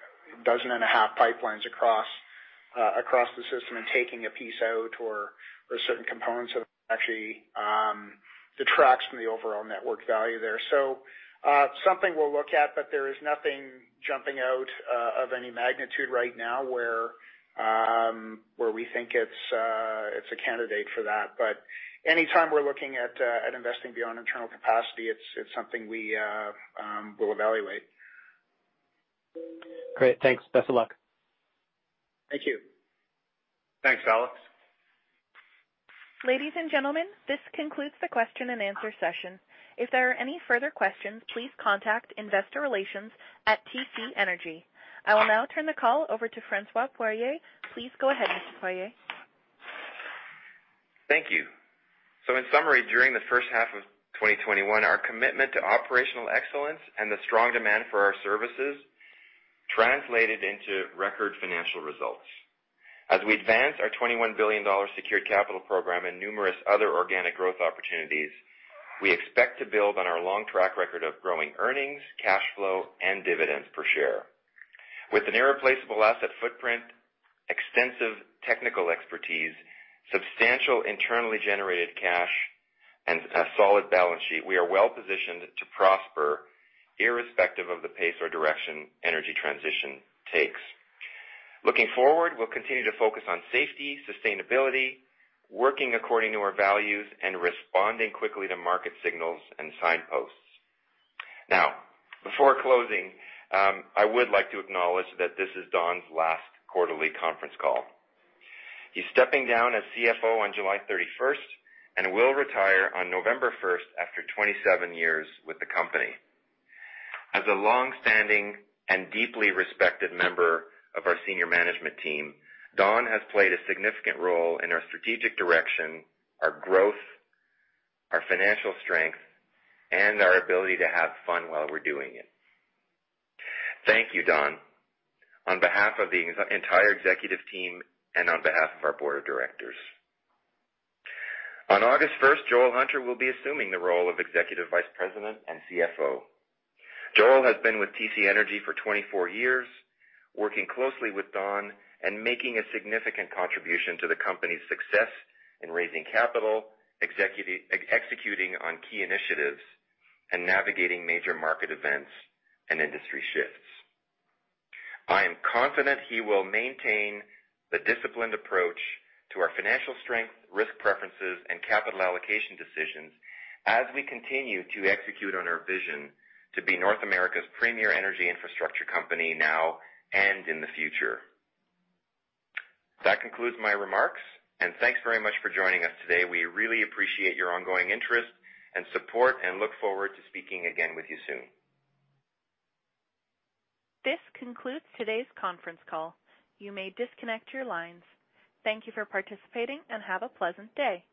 dozen and a half pipelines across the system, and taking a piece out or certain components of it actually detracts from the overall network value there. Something we'll look at, but there is nothing jumping out of any magnitude right now where we think it's a candidate for that. Anytime we're looking at investing beyond internal capacity, it's something we'll evaluate. Great. Thanks. Best of luck. Thank you. Thanks, Alex. Ladies and gentlemen, this concludes the question and answer session. If there are any further questions, please contact investor relations at TC Energy. I will now turn the call over to François Poirier. Please go ahead, Mr. Poirier. Thank you. In summary, during the first half of 2021, our commitment to operational excellence and the strong demand for our services translated into record financial results. As we advance our 21 billion dollar secured capital program and numerous other organic growth opportunities, we expect to build on our long track record of growing earnings, cash flow, and dividends per share. With an irreplaceable asset footprint, extensive technical expertise, substantial internally generated cash, and a solid balance sheet, we are well-positioned to prosper irrespective of the pace or direction energy transition takes. Looking forward, we'll continue to focus on safety, sustainability, working according to our values, and responding quickly to market signals and signposts. Before closing, I would like to acknowledge that this is Don's last quarterly conference call. He's stepping down as CFO on July 31st and will retire on November 1st after 27 years with the company. As a longstanding and deeply respected member of our senior management team, Don has played a significant role in our strategic direction, our growth, our financial strength, and our ability to have fun while we're doing it. Thank you, Don, on behalf of the entire executive team and on behalf of our board of directors. On August 1st, Joel Hunter will be assuming the role of Executive Vice President and CFO. Joel has been with TC Energy for 24 years, working closely with Don and making a significant contribution to the company's success in raising capital, executing on key initiatives, and navigating major market events and industry shifts. I am confident he will maintain the disciplined approach to our financial strength, risk preferences, and capital allocation decisions as we continue to execute on our vision to be North America's premier energy infrastructure company now and in the future. That concludes my remarks, and thanks very much for joining us today. We really appreciate your ongoing interest and support and look forward to speaking again with you soon. This concludes today's conference call. You may disconnect your lines. Thank you for participating, and have a pleasant day.